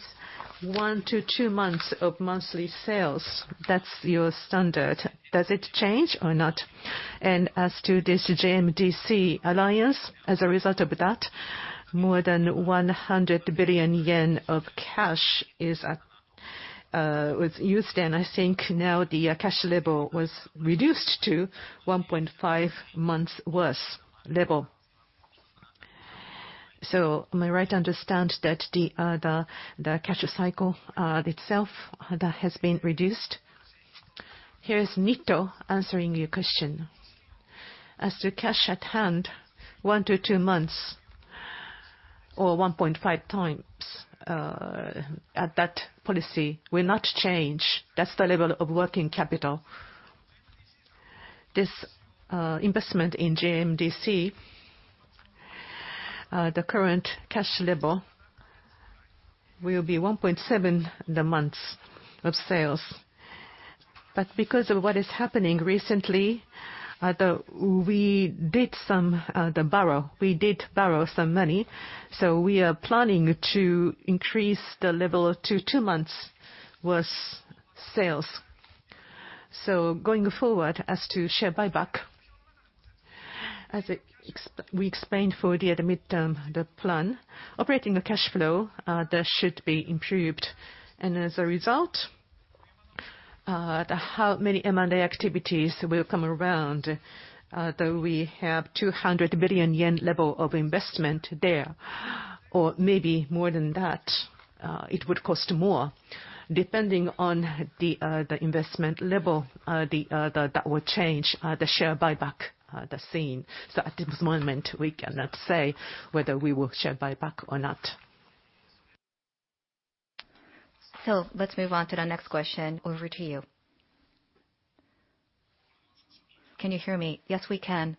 [SPEAKER 5] 1-2 months of monthly sales. That's your standard. Does it change or not? As to this JMDC alliance, as a result of that, more than 100 billion yen of cash was used. I think now the cash level was reduced to 1.5 months' worth level. Am I right to understand that the cash cycle itself that has been reduced?
[SPEAKER 1] Here is Nitto answering your question.
[SPEAKER 3] As to cash at hand, one to two months or 1.5x, at that policy will not change. That's the level of working capital. This investment in JMDC, the current cash level will be 1.7 months of sales. Because of what is happening recently, we did borrow some money, so we are planning to increase the level to two months' worth of sales. Going forward as to share buyback, as we explained for the midterm plan, operating cash flow that should be improved. As a result, how many M&A activities will come around, though we have 200 billion yen level of investment there, or maybe more than that, it would cost more. Depending on the investment level, that will change the share buyback scene. At this moment we cannot say whether we will share buyback or not.
[SPEAKER 1] Let's move on to the next question. Over to you.
[SPEAKER 6] Can you hear me?
[SPEAKER 1] Yes, we can.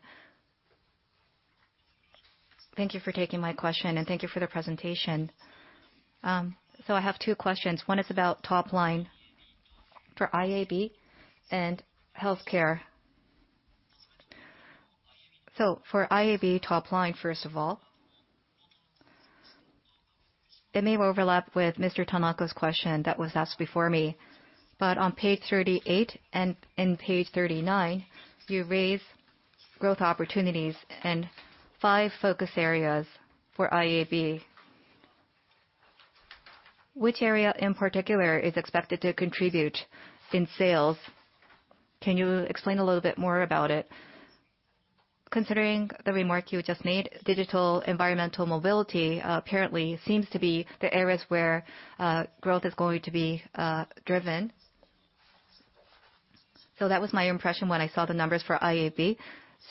[SPEAKER 6] Thank you for taking my question and thank you for the presentation. I have two questions. One is about top line for IAB and healthcare. For IAB top line, first of all, it may overlap with Mr. Tanaka's question that was asked before me, but on page 38 and page 39, you raise growth opportunities and five focus areas for IAB. Which area in particular is expected to contribute in sales? Can you explain a little bit more about it? Considering the remark you just made, digital environmental mobility apparently seems to be the areas where growth is going to be driven. That was my impression when I saw the numbers for IAB.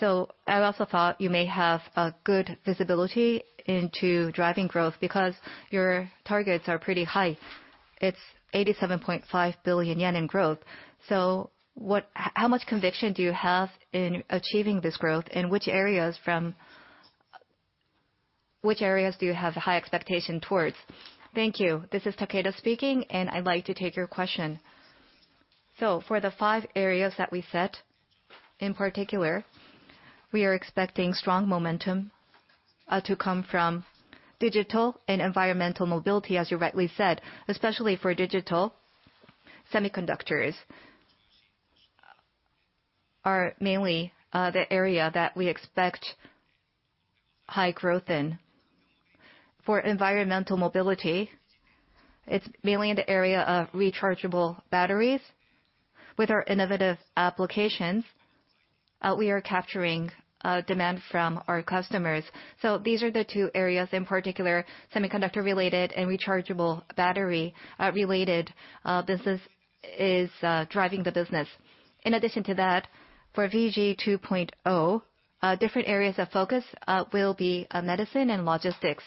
[SPEAKER 6] I also thought you may have good visibility into driving growth because your targets are pretty high. It's 87.5 billion yen in growth. How much conviction do you have in achieving this growth? Which areas do you have high expectation towards?
[SPEAKER 4] Thank you. This is Takeda speaking, and I'd like to take your question. For the five areas that we set, in particular, we are expecting strong momentum to come from digital and environmental mobility, as you rightly said. Especially for digital, semiconductors are mainly the area that we expect high growth in. For environmental mobility, it's mainly in the area of rechargeable batteries. With our innovative applications, we are capturing demand from our customers. These are the two areas in particular, semiconductor-related and rechargeable battery related business is driving the business. In addition to that, for VG 2.0, different areas of focus will be medicine and logistics.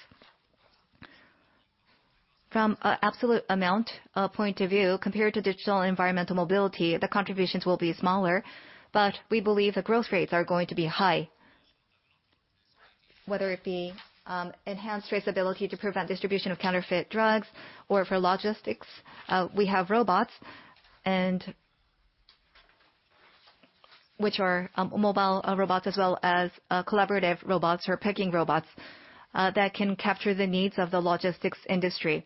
[SPEAKER 4] From an absolute amount point of view, compared to digital environmental mobility, the contributions will be smaller, but we believe the growth rates are going to be high. Whether it be enhanced traceability to prevent distribution of counterfeit drugs or for logistics, we have robots, which are mobile robots as well as collaborative robots or picking robots, that can capture the needs of the logistics industry.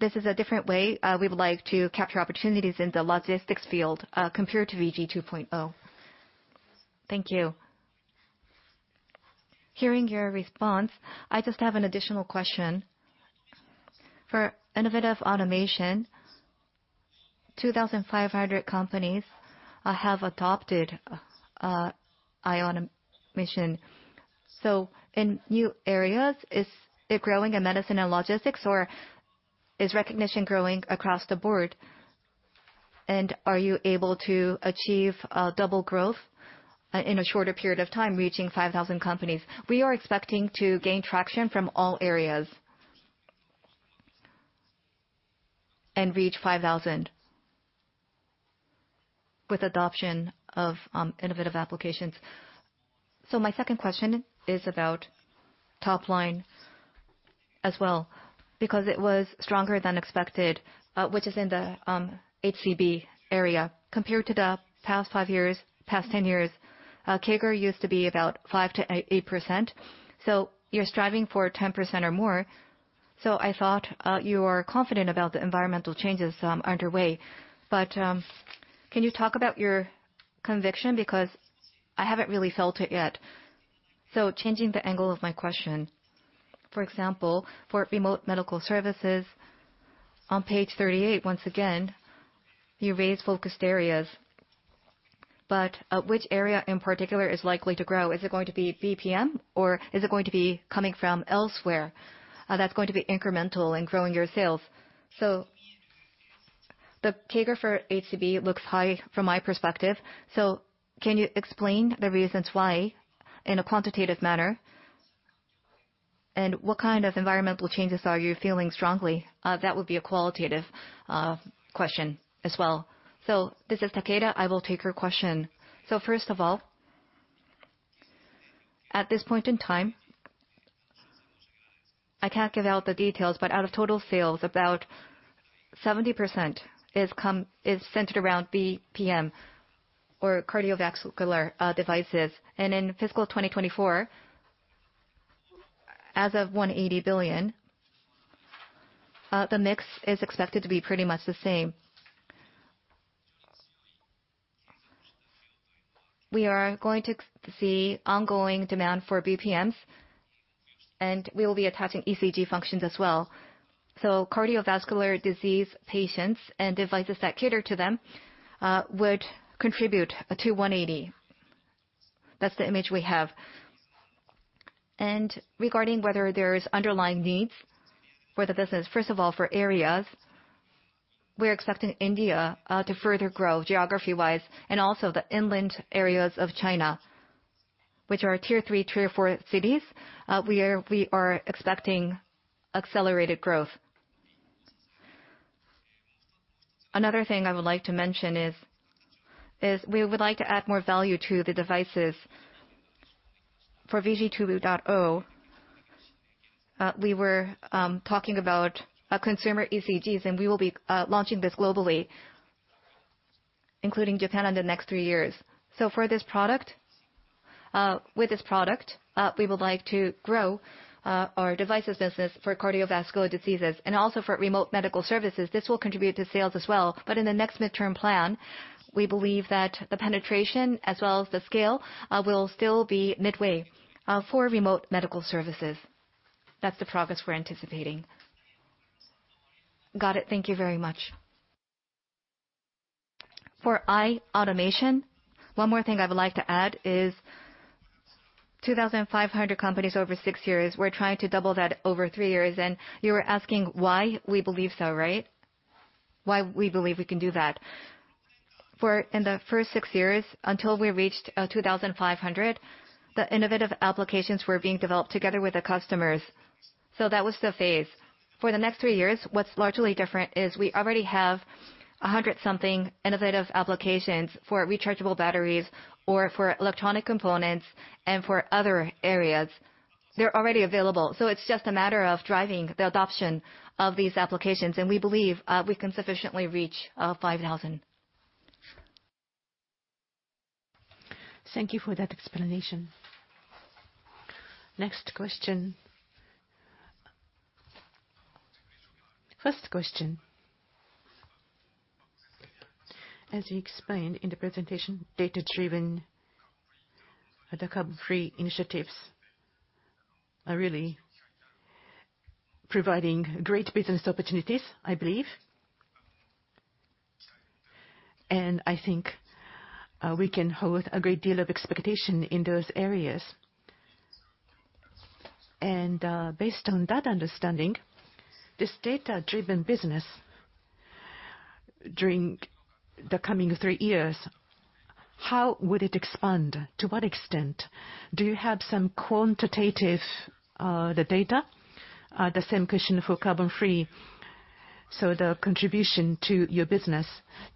[SPEAKER 4] This is a different way we would like to capture opportunities in the logistics field compared to VG2.0.
[SPEAKER 6] Thank you. Hearing your response, I just have an additional question. For innovative automation, 2,500 companies have adopted i-Automation. So in new areas, is it growing in medicine and logistics, or is recognition growing across the board? And are you able to achieve double growth in a shorter period of time, reaching 5,000 companies? We are expecting to gain traction from all areas and reach 5,000 with adoption of innovative applications. My second question is about top line as well, because it was stronger than expected, which is in the HCB area. Compared to the past five years, past ten years, CAGR used to be about 5%-8%. You're striving for 10% or more. I thought you are confident about the environmental changes underway. But can you talk about your conviction? Because I haven't really felt it yet. Changing the angle of my question, for example, for remote medical services on page 38, once again, you raised focused areas. But which area in particular is likely to grow? Is it going to be BPM or is it going to be coming from elsewhere that's going to be incremental in growing your sales? The CAGR for HCB looks high from my perspective. Can you explain the reasons why in a quantitative manner? What kind of environmental changes are you feeling strongly? That would be a qualitative question as well.
[SPEAKER 4] This is Takeda. I will take your question. First of all, at this point in time, I can't give out the details, but out of total sales, about 70% is from, is centered around BPM or cardiovascular devices. In fiscal 2024, as of 180 billion, the mix is expected to be pretty much the same. We are going to see ongoing demand for BPMs, and we will be attaching ECG functions as well. Cardiovascular disease patients and devices that cater to them would contribute to 180 billion. That's the image we have. Regarding whether there's underlying needs for the business, first of all, for areas, we're expecting India to further grow geography-wise and also the inland areas of China, which are Tier 3, Tier 4 cities. We are expecting accelerated growth. Another thing I would like to mention is we would like to add more value to the devices. For VG2.0, we were talking about consumer ECGs, and we will be launching this globally, including Japan in the next three years. For this product, with this product, we would like to grow our devices business for cardiovascular diseases and also for remote medical services. This will contribute to sales as well. In the next midterm plan, we believe that the penetration as well as the scale will still be midway for remote medical services. That's the progress we're anticipating.
[SPEAKER 6] Got it. Thank you very much.
[SPEAKER 4] For i-Automation!, one more thing I would like to add is 2,500 companies over six years. We're trying to double that over three years. You were asking why we believe so, right? Why we believe we can do that. For in the first six years, until we reached 2,500, the innovative applications were being developed together with the customers. So that was the phase. For the next three years, what's largely different is we already have 100-something innovative applications for rechargeable batteries or for electronic components and for other areas. They're already available, so it's just a matter of driving the adoption of these applications, and we believe we can sufficiently reach 5,000.
[SPEAKER 1] Thank you for that explanation. Next question. First question. As you explained in the presentation, data-driven, the carbon-free initiatives are really providing great business opportunities, I believe. I think we can hold a great deal of expectation in those areas. Based on that understanding, this data-driven business during the coming three years, how would it expand? To what extent? Do you have some quantitative data? The same question for carbon-free. The contribution to your business,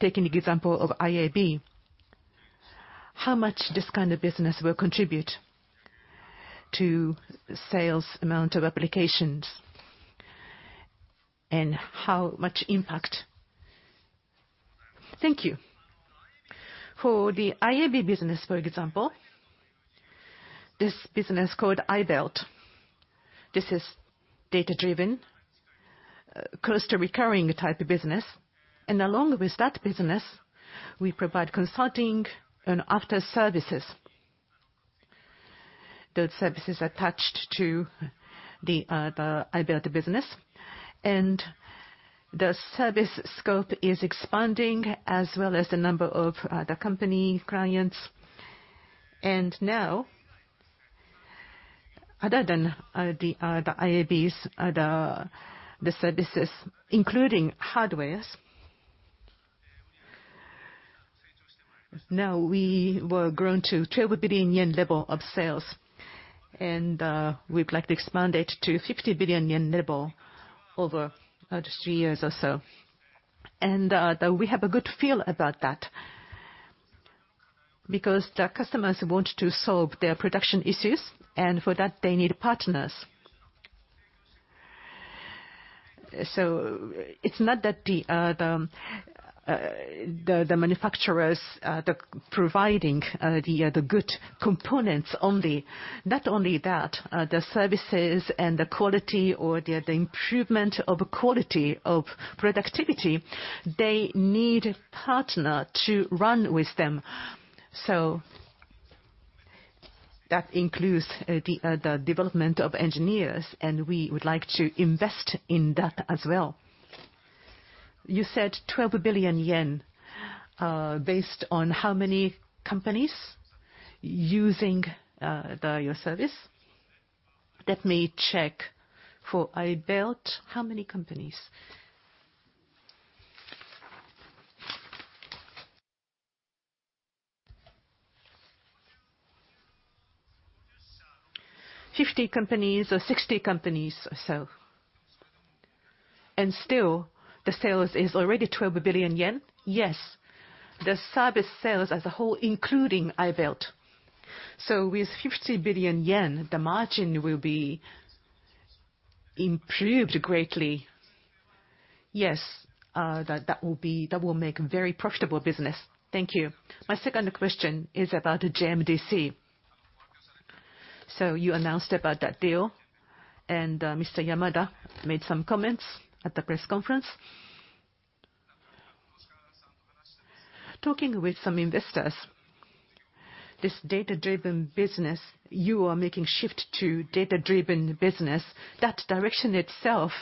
[SPEAKER 1] taking example of IAB, how much this kind of business will contribute to sales amount of applications, and how much impact?
[SPEAKER 2] Thank you. For the IAB business, for example, this business called i-BELT. This is data-driven, close to recurring type of business. Along with that business, we provide consulting and after services. Those services are attached to the IAB business. The service scope is expanding as well as the number of the company clients. Now, other than the IABs, the services, including hardware. Now, we have grown to 12 billion yen level of sales, and we'd like to expand it to 50 billion yen level over just three years or so. We have a good feel about that because the customers want to solve their production issues, and for that, they need partners. It's not that the manufacturers providing the good components only. Not only that, the services and the quality or the improvement of quality of productivity, they need a partner to run with them. That includes the development of engineers, and we would like to invest in that as well.
[SPEAKER 1] You said 12 billion yen, based on how many companies using the your service. Let me check for i-BELT, how many companies?
[SPEAKER 4] 50 companies or 60 companies or so.
[SPEAKER 1] Still the sales is already 12 billion yen?
[SPEAKER 4] Yes. The service sales as a whole, including i-BELT.
[SPEAKER 1] With 50 billion yen, the margin will be improved greatly.
[SPEAKER 4] Yes. That will make very profitable business. Thank you.
[SPEAKER 1] My second question is about JMDC. You announced about that deal, and Mr. Yamada made some comments at the press conference. Talking with some investors, this data-driven business, you are making shift to data-driven business. "That direction itself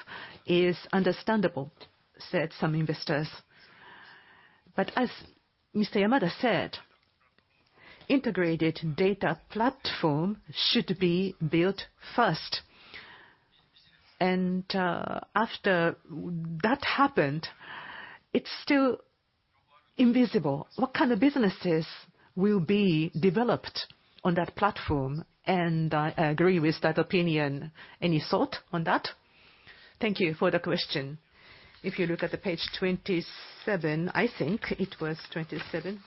[SPEAKER 1] is understandable," said some investors. As Mr. Yamada said, integrated data platform should be built first. After that happened, it's still invisible what kind of businesses will be developed on that platform, and I agree with that opinion. Any thought on that?
[SPEAKER 2] Thank you for the question. If you look at the page 27, I think it was 27.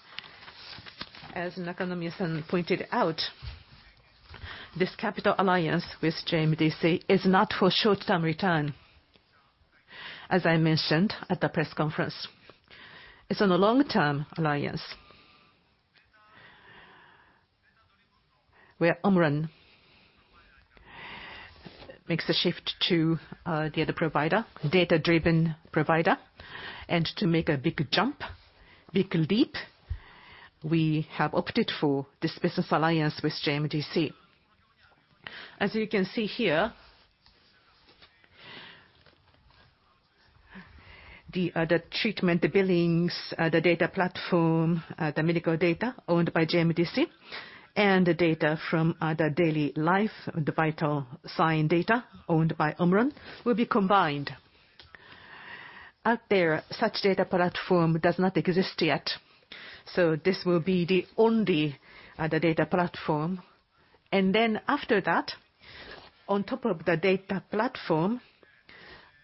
[SPEAKER 2] As Nakano-san pointed out, this capital alliance with JMDC is not for short-term return, as I mentioned at the press conference. It's on a long-term alliance, where OMRON makes a shift to data provider, data-driven provider. To make a big jump, big leap, we have opted for this business alliance with JMDC. As you can see here, the treatment, the billings, the data platform, the medical data owned by JMDC and the data from other daily life, the vital sign data owned by OMRON, will be combined. Out there, such data platform does not exist yet, so this will be the only data platform. After that, on top of the data platform,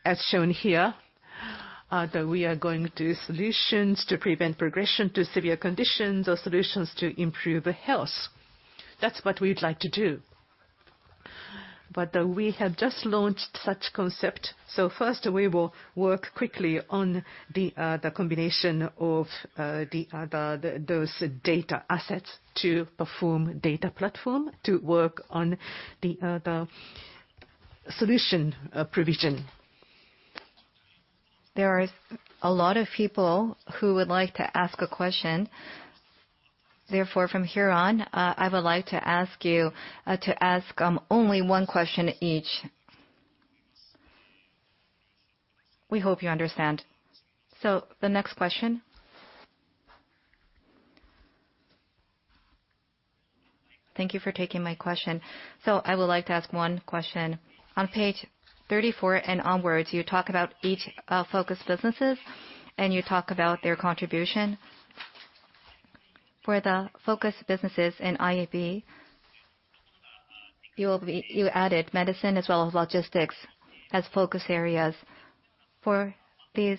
[SPEAKER 2] as shown here, that we are going to do solutions to prevent progression to severe conditions or solutions to improve health. That's what we'd like to do. We have just launched such concept. First, we will work quickly on the combination of those data assets to form a data platform to work on the solution provision.
[SPEAKER 1] There is a lot of people who would like to ask a question. Therefore, from here on, I would like to ask you to ask only one question each. We hope you understand. The next question.
[SPEAKER 7] Thank you for taking my question. I would like to ask one question. On page 34 and onward, you talk about each focus businesses and you talk about their contribution. For the focus businesses in IAB, you added medicine as well as logistics as focus areas. For these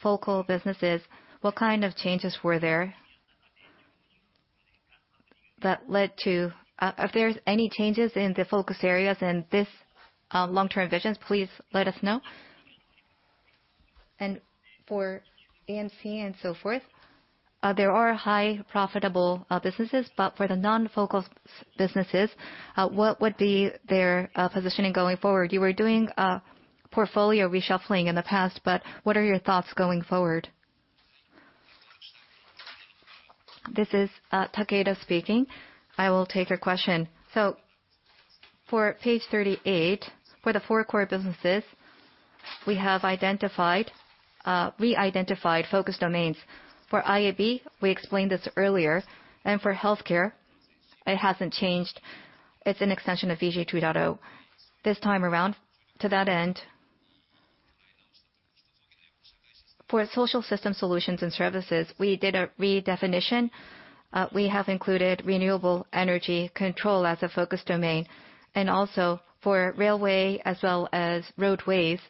[SPEAKER 7] focal businesses, what kind of changes were there that led to if there's any changes in the focus areas in this long-term visions, please let us know. For EMC and so forth, there are highly profitable businesses, but for the non-focal businesses, what would be their positioning going forward? You were doing a portfolio reshuffling in the past, but what are your thoughts going forward?
[SPEAKER 4] This is, Takeda speaking. I will take your question. For page 38, for the four core businesses, we have identified re-identified focus domains. For IAB, we explained this earlier, and for healthcare it hasn't changed. It's an extension of VG 2.0 this time around. To that end, for social system solutions and services, we did a redefinition. We have included renewable energy control as a focus domain. For railway as well as roadways,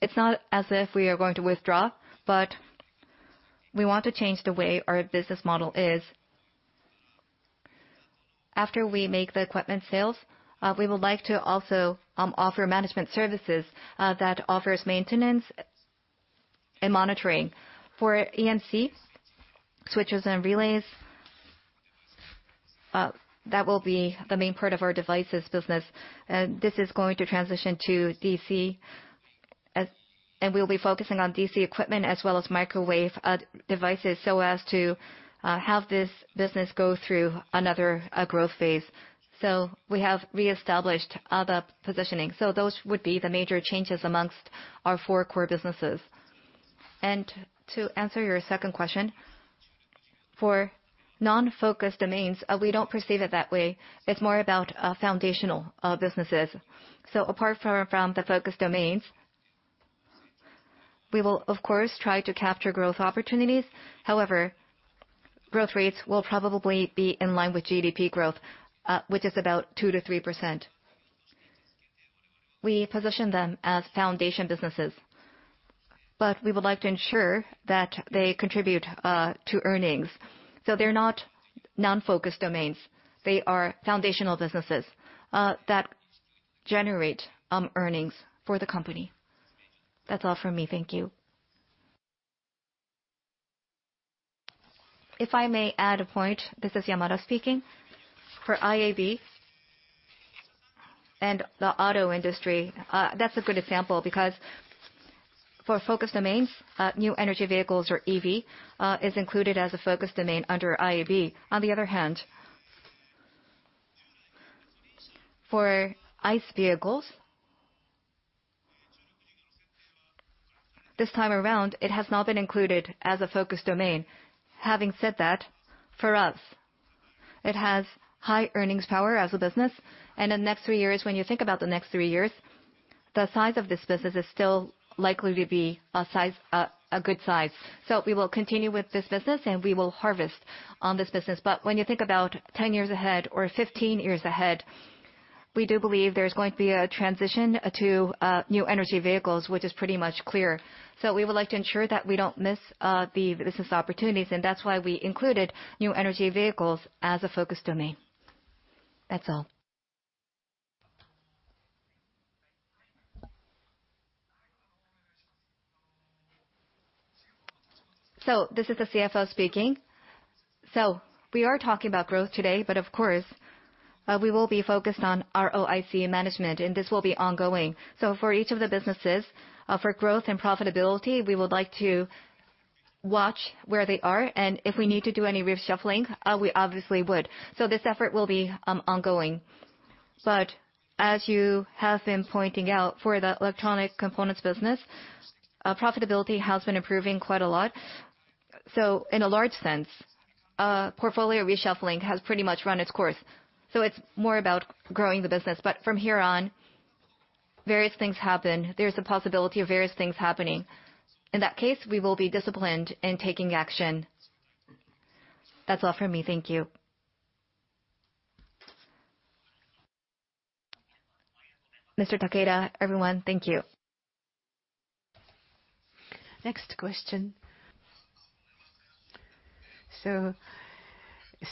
[SPEAKER 4] it's not as if we are going to withdraw, but we want to change the way our business model is. After we make the equipment sales, we would like to also offer management services that offers maintenance and monitoring. For EMC switches and relays, that will be the main part of our devices business. This is going to transition to DC as... We'll be focusing on DC equipment as well as microwave devices so as to have this business go through another growth phase. We have re-established our positioning. Those would be the major changes among our four core businesses. To answer your second question, for non-focus domains, we don't perceive it that way. It's more about foundational businesses. Apart from the focus domains, we will of course try to capture growth opportunities. However, growth rates will probably be in line with GDP growth, which is about 2%-3%. We position them as foundation businesses, but we would like to ensure that they contribute to earnings. They're not non-focus domains. They are foundational businesses that generate earnings for the company. That's all from me. Thank you.
[SPEAKER 2] If I may add a point, this is Yamada speaking. For IAB and the auto industry, that's a good example because for focus domains, new energy vehicles or EV is included as a focus domain under IAB. On the other hand, for ICE vehicles, this time around it has not been included as a focus domain. Having said that, for us, it has high earnings power as a business, and in the next three years, when you think about the next three years, the size of this business is still likely to be a good size. We will continue with this business, and we will harvest on this business. When you think about 10 years ahead or 15 years ahead, we do believe there's going to be a transition to new energy vehicles, which is pretty much clear. We would like to ensure that we don't miss the business opportunities, and that's why we included new energy vehicles as a focus domain. That's all. This is the CFO speaking. We are talking about growth today, but of course, we will be focused on ROIC management, and this will be ongoing. For each of the businesses, for growth and profitability, we would like to watch where they are, and if we need to do any reshuffling, we obviously would. This effort will be ongoing. As you have been pointing out, for the electronic components business, profitability has been improving quite a lot. In a large sense, portfolio reshuffling has pretty much run its course. It's more about growing the business. From here on, various things happen. There's a possibility of various things happening. In that case, we will be disciplined in taking action. That's all from me. Thank you.
[SPEAKER 7] Mr. Takeda, everyone, thank you.
[SPEAKER 1] Next question.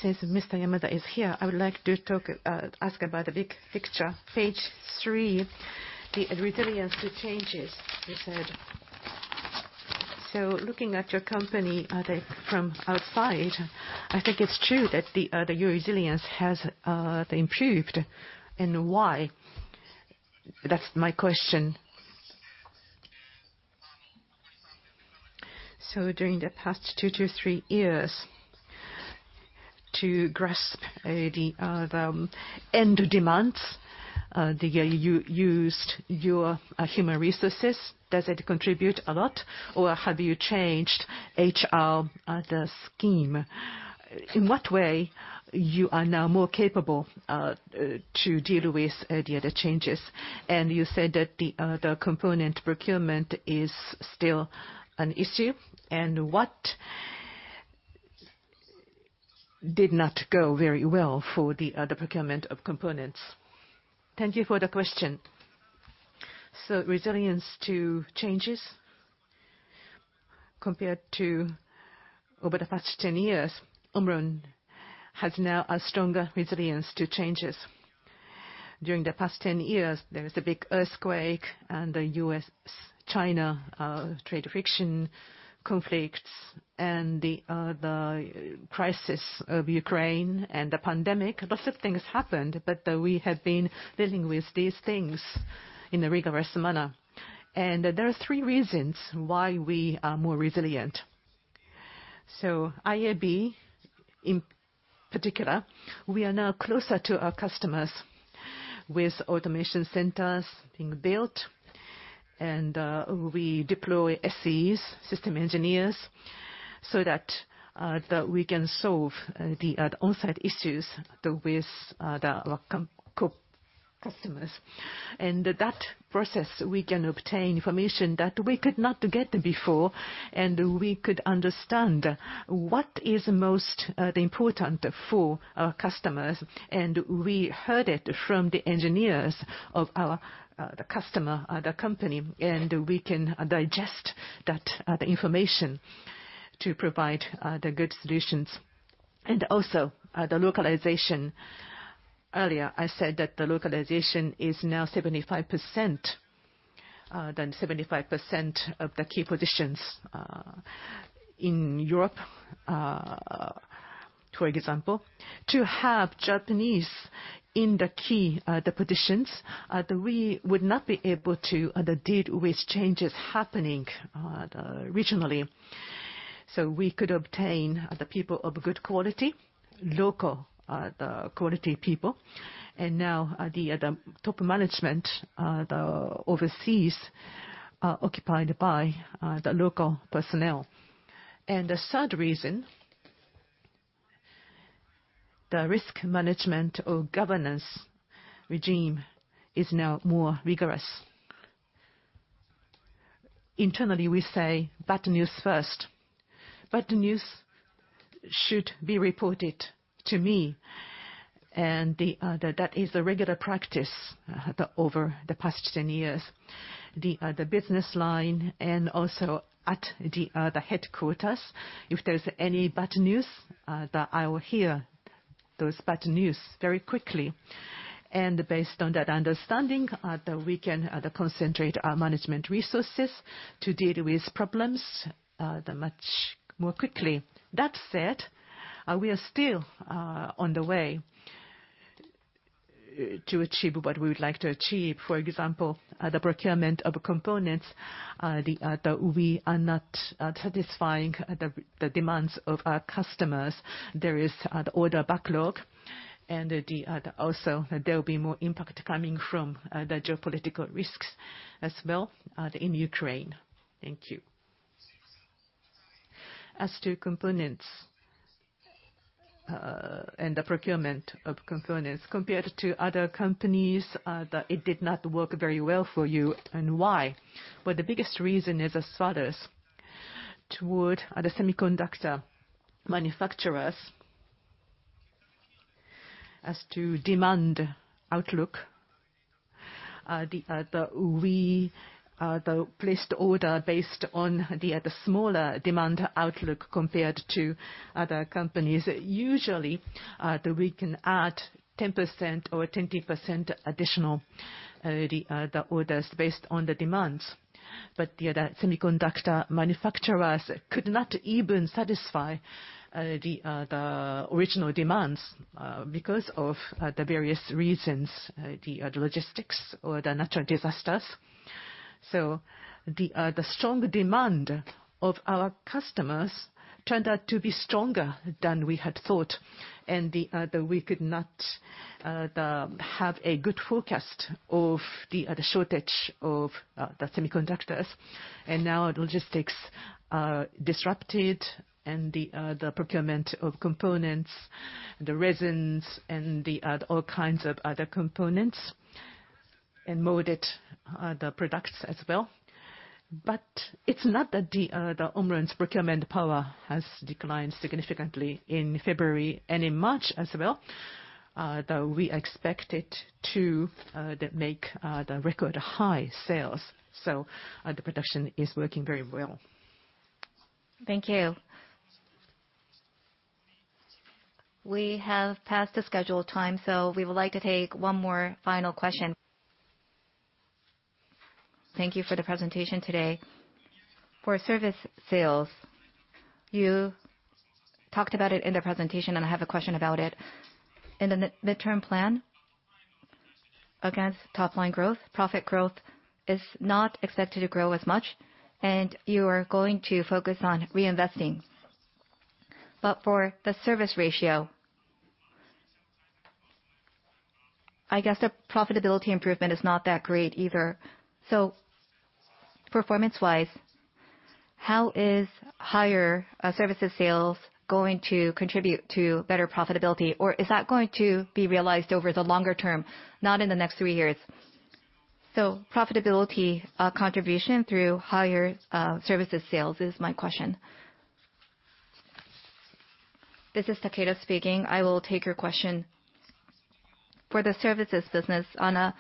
[SPEAKER 8] Since Mr. Yamada is here, I would like to talk, ask about the big picture. Page three, the resilience to changes, you said. Looking at your company, from outside, I think it's true that the your resilience has improved, and why? That's my question.
[SPEAKER 2] During the past two to three years, to grasp the end demands that you used your human resources, does it contribute a lot? Or have you changed HR the scheme? In what way you are now more capable to deal with the other changes? You said that the component procurement is still an issue. What did not go very well for the procurement of components? Thank you for the question. Resilience to changes. Compared to over the past 10 years, OMRON has now a stronger resilience to changes. During the past 10 years, there was a big earthquake and the U.S.-China trade friction conflicts and the crisis of Ukraine and the pandemic. Lots of things happened, but we have been dealing with these things in a rigorous manner. There are three reasons why we are more resilient. IAB in particular, we are now closer to our customers with Automation Centers being built, and we deploy SEs, system engineers, so that we can solve the on-site issues with the customers. In that process, we can obtain information that we could not get before, and we could understand what is most important for our customers. We heard it from the engineers of the customer company, and we can digest that information to provide the good solutions. Also, the localization. Earlier, I said that the localization is now 75%. That 75% of the key positions in Europe, for example. To have Japanese in the key positions, we would not be able to deal with changes happening regionally. We could obtain the people of good quality, local quality people and now, took the management overseas occupied by local personal. The third reason, the risk management or governance regime is now more rigorous. Internally, we say bad news first. Bad news should be reported to me, and that is the regular practice over the past 10 years. The business line and also at the headquarters, if there's any bad news, I will hear those bad news very quickly. Based on that understanding, we can concentrate our management resources to deal with problems much more quickly. That said, we are still on the way to achieve what we would like to achieve. For example, the procurement of components, we are not satisfying the demands of our customers. There is the order backlog and also there will be more impact coming from the geopolitical risks as well in Ukraine. Thank you. As to components and the procurement of components, compared to other companies it did not work very well for you, and why? Well, the biggest reason is as follows. Toward the semiconductor manufacturers as to demand outlook, we placed order based on the smaller demand outlook compared to other companies. Usually we can add 10% or 20% additional orders based on the demands. But the semiconductor manufacturers could not even satisfy the original demands because of the various reasons, the logistics or the natural disasters. The strong demand of our customers turned out to be stronger than we had thought. We could not have a good forecast of the shortage of semiconductors. Now logistics are disrupted and the procurement of components, the resins and all kinds of other components and molded products as well. It's not that OMRON's procurement power has declined significantly in February and in March as well. We expect it to make record high sales, so the production is working very well.
[SPEAKER 1] Thank you. We have passed the scheduled time, so we would like to take one more final question.
[SPEAKER 9] Thank you for the presentation today. For service sales, you talked about it in the presentation, and I have a question about it. In the midterm plan, against top line growth, profit growth is not expected to grow as much, and you are going to focus on reinvesting. For the service ratio, I guess the profitability improvement is not that great either. Performance-wise, how is higher services sales going to contribute to better profitability? Or is that going to be realized over the longer term, not in the next three years? Profitability contribution through higher services sales is my question.
[SPEAKER 2] This is Takeda speaking. I will take your question.
[SPEAKER 1] For the services business on a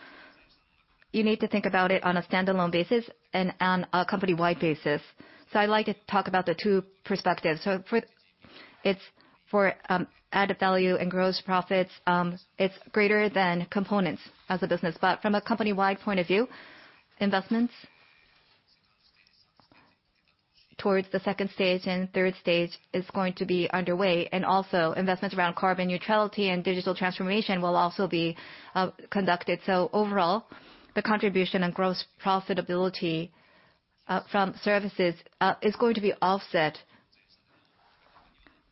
[SPEAKER 1] standalone basis and on a company-wide basis. I'd like to talk about the two perspectives. For added value and gross profits, it's greater than components as a business. From a company-wide point of view, investments towards the second stage and third stage is going to be underway, and also investments around carbon neutrality and digital transformation will also be conducted. Overall, the contribution and gross profitability from services is going to be offset.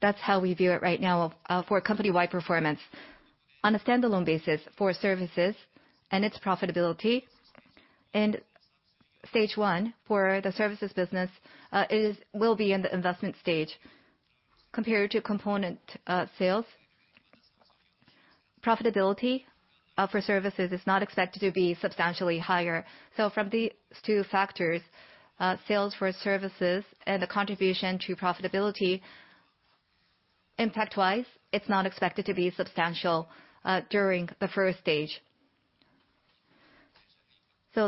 [SPEAKER 1] That's how we view it right now for company-wide performance. On a standalone basis for services and its profitability and stage one for the services business will be in the investment stage compared to component sales. Profitability for services is not expected to be substantially higher. From these two factors, sales for services and the contribution to profitability impact-wise, it's not expected to be substantial during the first stage.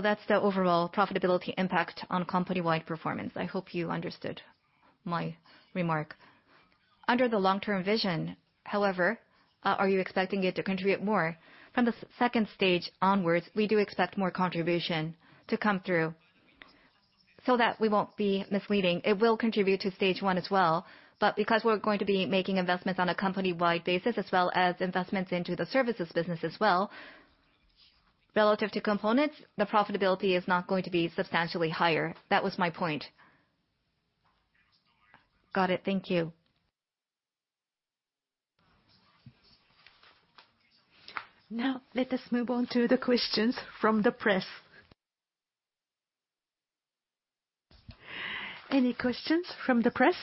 [SPEAKER 1] That's the overall profitability impact on company-wide performance. I hope you understood my remark. Under the long-term vision, however, are you expecting it to contribute more? From the second stage onwards, we do expect more contribution to come through so that we won't be misleading. It will contribute to stage one as well, but because we're going to be making investments on a company-wide basis as well as investments into the services business as well, relative to components, the profitability is not going to be substantially higher. That was my point.
[SPEAKER 9] Got it. Thank you.
[SPEAKER 1] Now let us move on to the questions from the press. Any questions from the press?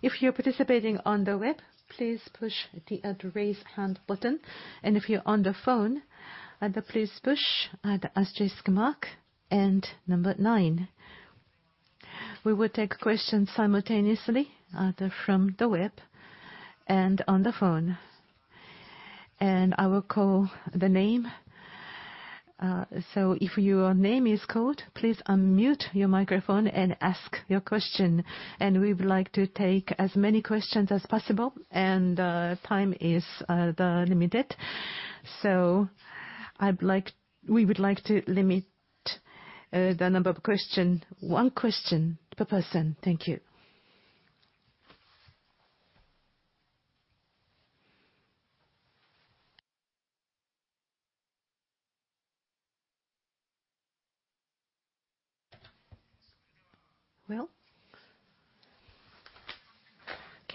[SPEAKER 1] If you're participating on the web, please push the Raise Hand button. If you're on the phone, please push the asterisk mark and number nine. We will take questions simultaneously from the web and on the phone. I will call the name, so if your name is called, please unmute your microphone and ask your question. We would like to take as many questions as possible, and time is limited. We would like to limit the number of question, one question per person. Thank you.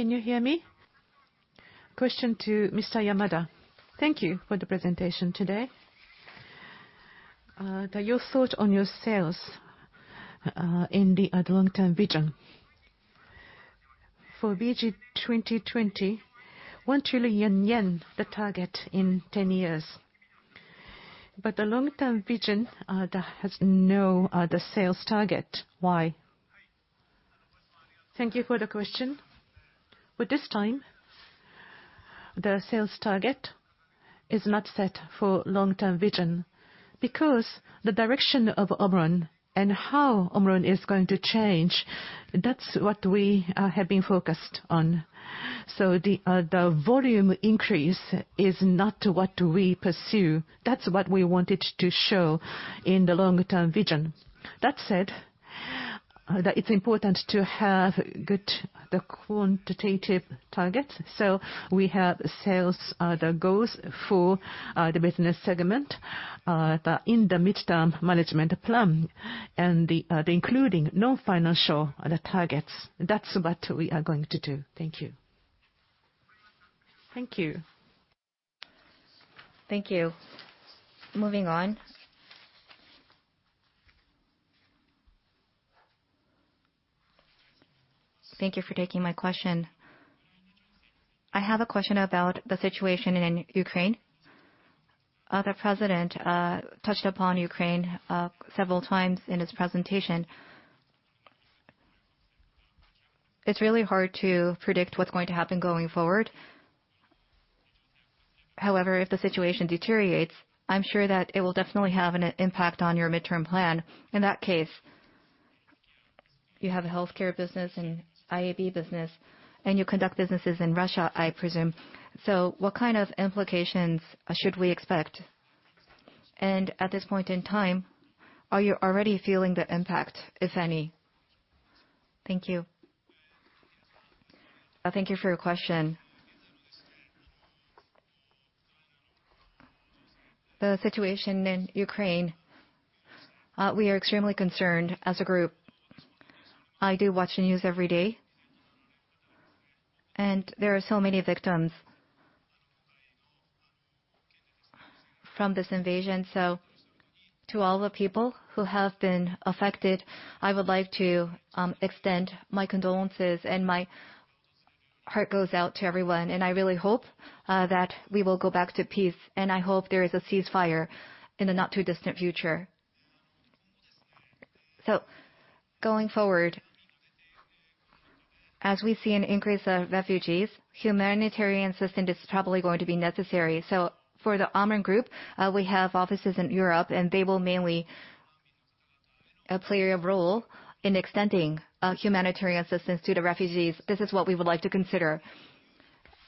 [SPEAKER 10] Well, can you hear me? Question to Mr. Yamada. Thank you for the presentation today. Your thought on your sales in the long-term vision. For VG2020, 1 trillion yen the target in 10 years. The long-term vision has no sales target. Why?
[SPEAKER 2] Thank you for the question. At this time, the sales target is not set for long-term vision because the direction of OMRON and how OMRON is going to change, that's what we have been focused on. The volume increase is not what we pursue. That's what we wanted to show in the long-term vision. That said, it's important to have good quantitative targets, so we have sales goals for the business segment in the midterm management plan and including non-financial targets. That's what we are going to do. Thank you.
[SPEAKER 10] Thank you.
[SPEAKER 1] Thank you. Moving on.
[SPEAKER 11] Thank you for taking my question. I have a question about the situation in Ukraine. The president touched upon Ukraine several times in his presentation. It's really hard to predict what's going to happen going forward. However, if the situation deteriorates, I'm sure that it will definitely have an impact on your midterm plan. In that case, you have a healthcare business and IAB business, and you conduct businesses in Russia, I presume. So what kind of implications should we expect? And at this point in time, are you already feeling the impact, if any? Thank you.
[SPEAKER 2] Thank you for your question. The situation in Ukraine, we are extremely concerned as a group. I do watch the news every day, and there are so many victims from this invasion. To all the people who have been affected, I would like to extend my condolences, and my heart goes out to everyone. I really hope that we will go back to peace, and I hope there is a ceasefire in the not too distant future. Going forward, as we see an increase of refugees, humanitarian assistance is probably going to be necessary. For the OMRON Group, we have offices in Europe, and they will mainly play a role in extending humanitarian assistance to the refugees. This is what we would like to consider.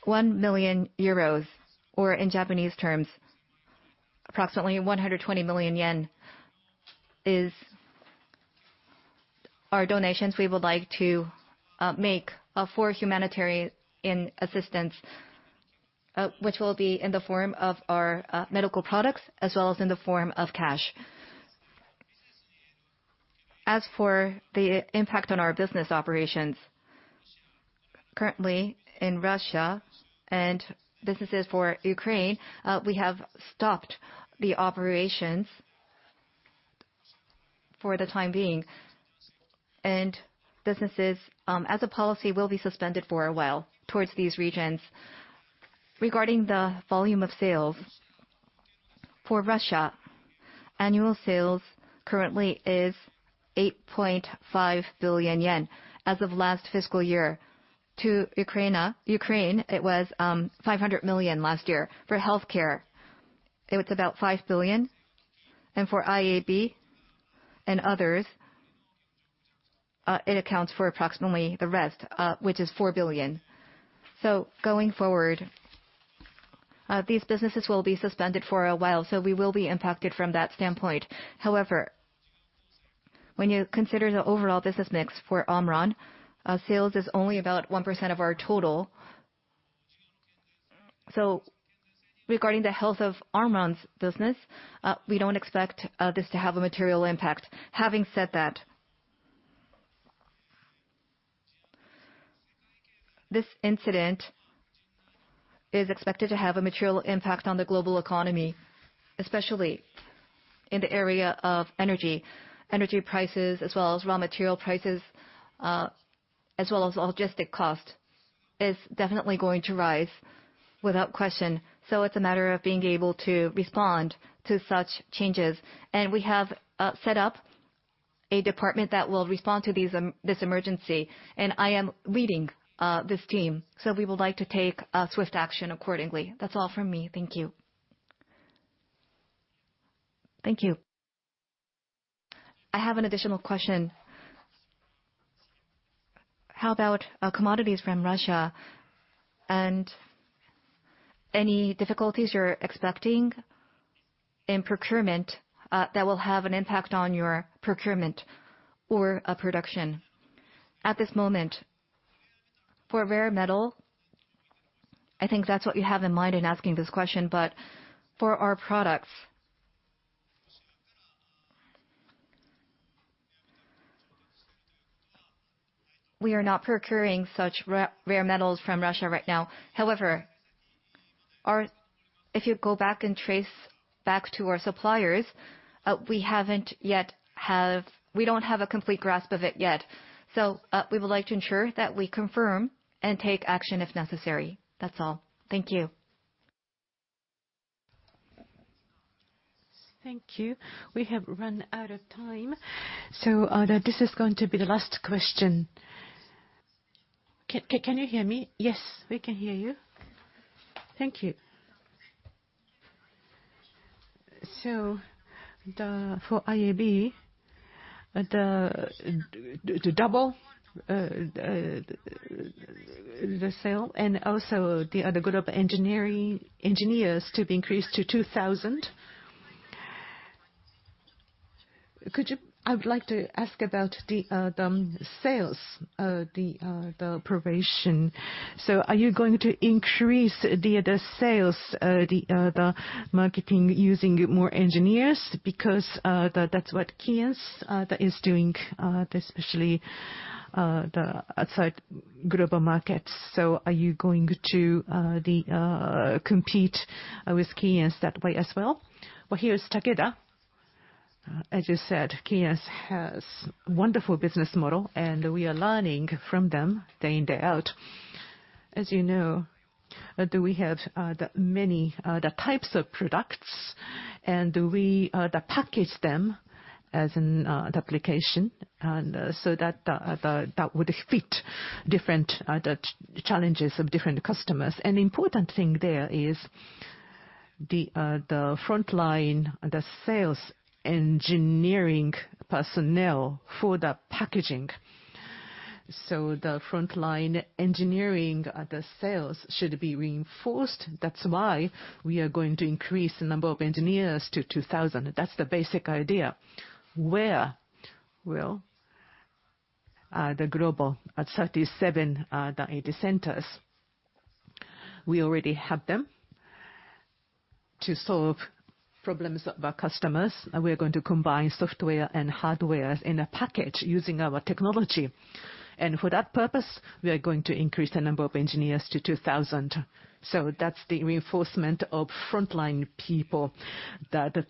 [SPEAKER 2] 1 million euros, or in Japanese terms, approximately 120 million yen, is our donations we would like to make for humanitarian assistance, which will be in the form of our medical products, as well as in the form of cash. As for the impact on our business operations, currently in Russia and businesses for Ukraine, we have stopped the operations for the time being. Businesses, as a policy, will be suspended for a while towards these regions. Regarding the volume of sales, for Russia, annual sales currently is 8.5 billion yen as of last fiscal year. To Ukraine, it was 500 million last year. For healthcare, it's about 5 billion. For IAB and others, it accounts for approximately the rest, which is 4 billion. Going forward, these businesses will be suspended for a while, so we will be impacted from that standpoint. However, when you consider the overall business mix for OMRON, sales is only about 1% of our total. Regarding the health of OMRON's business, we don't expect this to have a material impact. Having said that. This incident is expected to have a material impact on the global economy, especially in the area of energy. Energy prices, as well as raw material prices, as well as logistics cost, is definitely going to rise without question. It's a matter of being able to respond to such changes. We have set up a department that will respond to this emergency, and I am leading this team. We would like to take a swift action accordingly. That's all from me. Thank you.
[SPEAKER 11] Thank you. I have an additional question. How about, commodities from Russia and any difficulties you're expecting in procurement, that will have an impact on your procurement or, production?
[SPEAKER 2] At this moment, for a rare metal, I think that's what you have in mind in asking this question. For our products, we are not procuring such rare metals from Russia right now. If you go back and trace back to our suppliers, we don't have a complete grasp of it yet. We would like to ensure that we confirm and take action if necessary. That's all. Thank you.
[SPEAKER 1] Thank you. We have run out of time. This is going to be the last question.
[SPEAKER 12] Can you hear me?
[SPEAKER 1] Yes, we can hear you.
[SPEAKER 12] Thank you. For IAB, the doubling of sales and also the global engineers to be increased to 2,000. I would like to ask about the sales promotion. Are you going to increase the sales marketing using more engineers? Because that is what KEYENCE is doing, especially the outside global markets. Are you going to compete with KEYENCE that way as well?
[SPEAKER 4] Well, here's Takeda. As you said, KEYENCE has wonderful business model, and we are learning from them day in, day out. As you know, we have the many types of products, and we package them as an application so that that would fit different challenges of different customers. An important thing there is the frontline sales engineering personnel for the packaging. The frontline engineering sales should be reinforced. That's why we are going to increase the number of engineers to 2,000. That's the basic idea. Where? Well, globally at 37 ATC centers. We already have them to solve problems of our customers. We are going to combine software and hardware in a package using our technology. For that purpose, we are going to increase the number of engineers to 2,000. That's the reinforcement of frontline people, the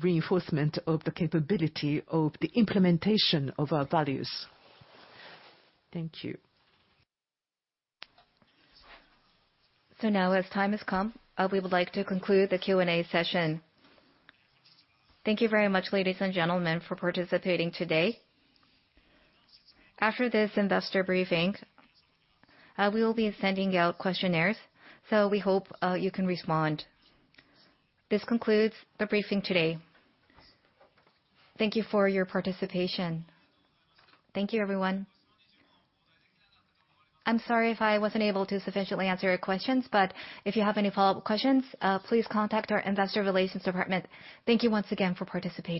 [SPEAKER 4] reinforcement of the capability of the implementation of our values. Thank you.
[SPEAKER 1] Now as time has come, we would like to conclude the Q&A session. Thank you very much, ladies and gentlemen, for participating today. After this investor briefing, we will be sending out questionnaires, so we hope you can respond. This concludes the briefing today. Thank you for your participation. Thank you, everyone. I'm sorry if I wasn't able to sufficiently answer your questions, but if you have any follow-up questions, please contact our investor relations department. Thank you once again for participating.